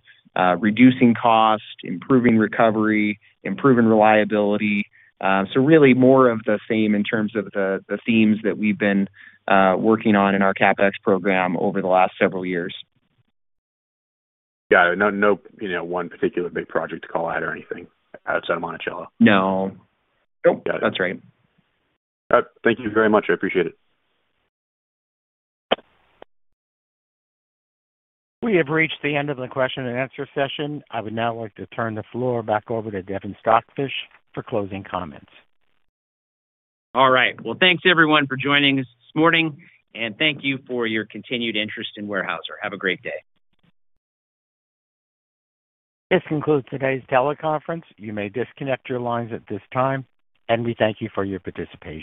reducing cost, improving recovery, improving reliability. So really more of the same in terms of the themes that we've been working on in our CapEx program over the last several years. Got it. No, no, you know, one particular big project to call out or anything outside of Monticello? No. Nope. Got it. That's right. Thank you very much. I appreciate it. We have reached the end of the question and answer session. I would now like to turn the floor back over to Devin Stockfish for closing comments. All right. Well, thanks, everyone, for joining us this morning, and thank you for your continued interest in Weyerhaeuser. Have a great day. This concludes today's teleconference. You may disconnect your lines at this time, and we thank you for your participation.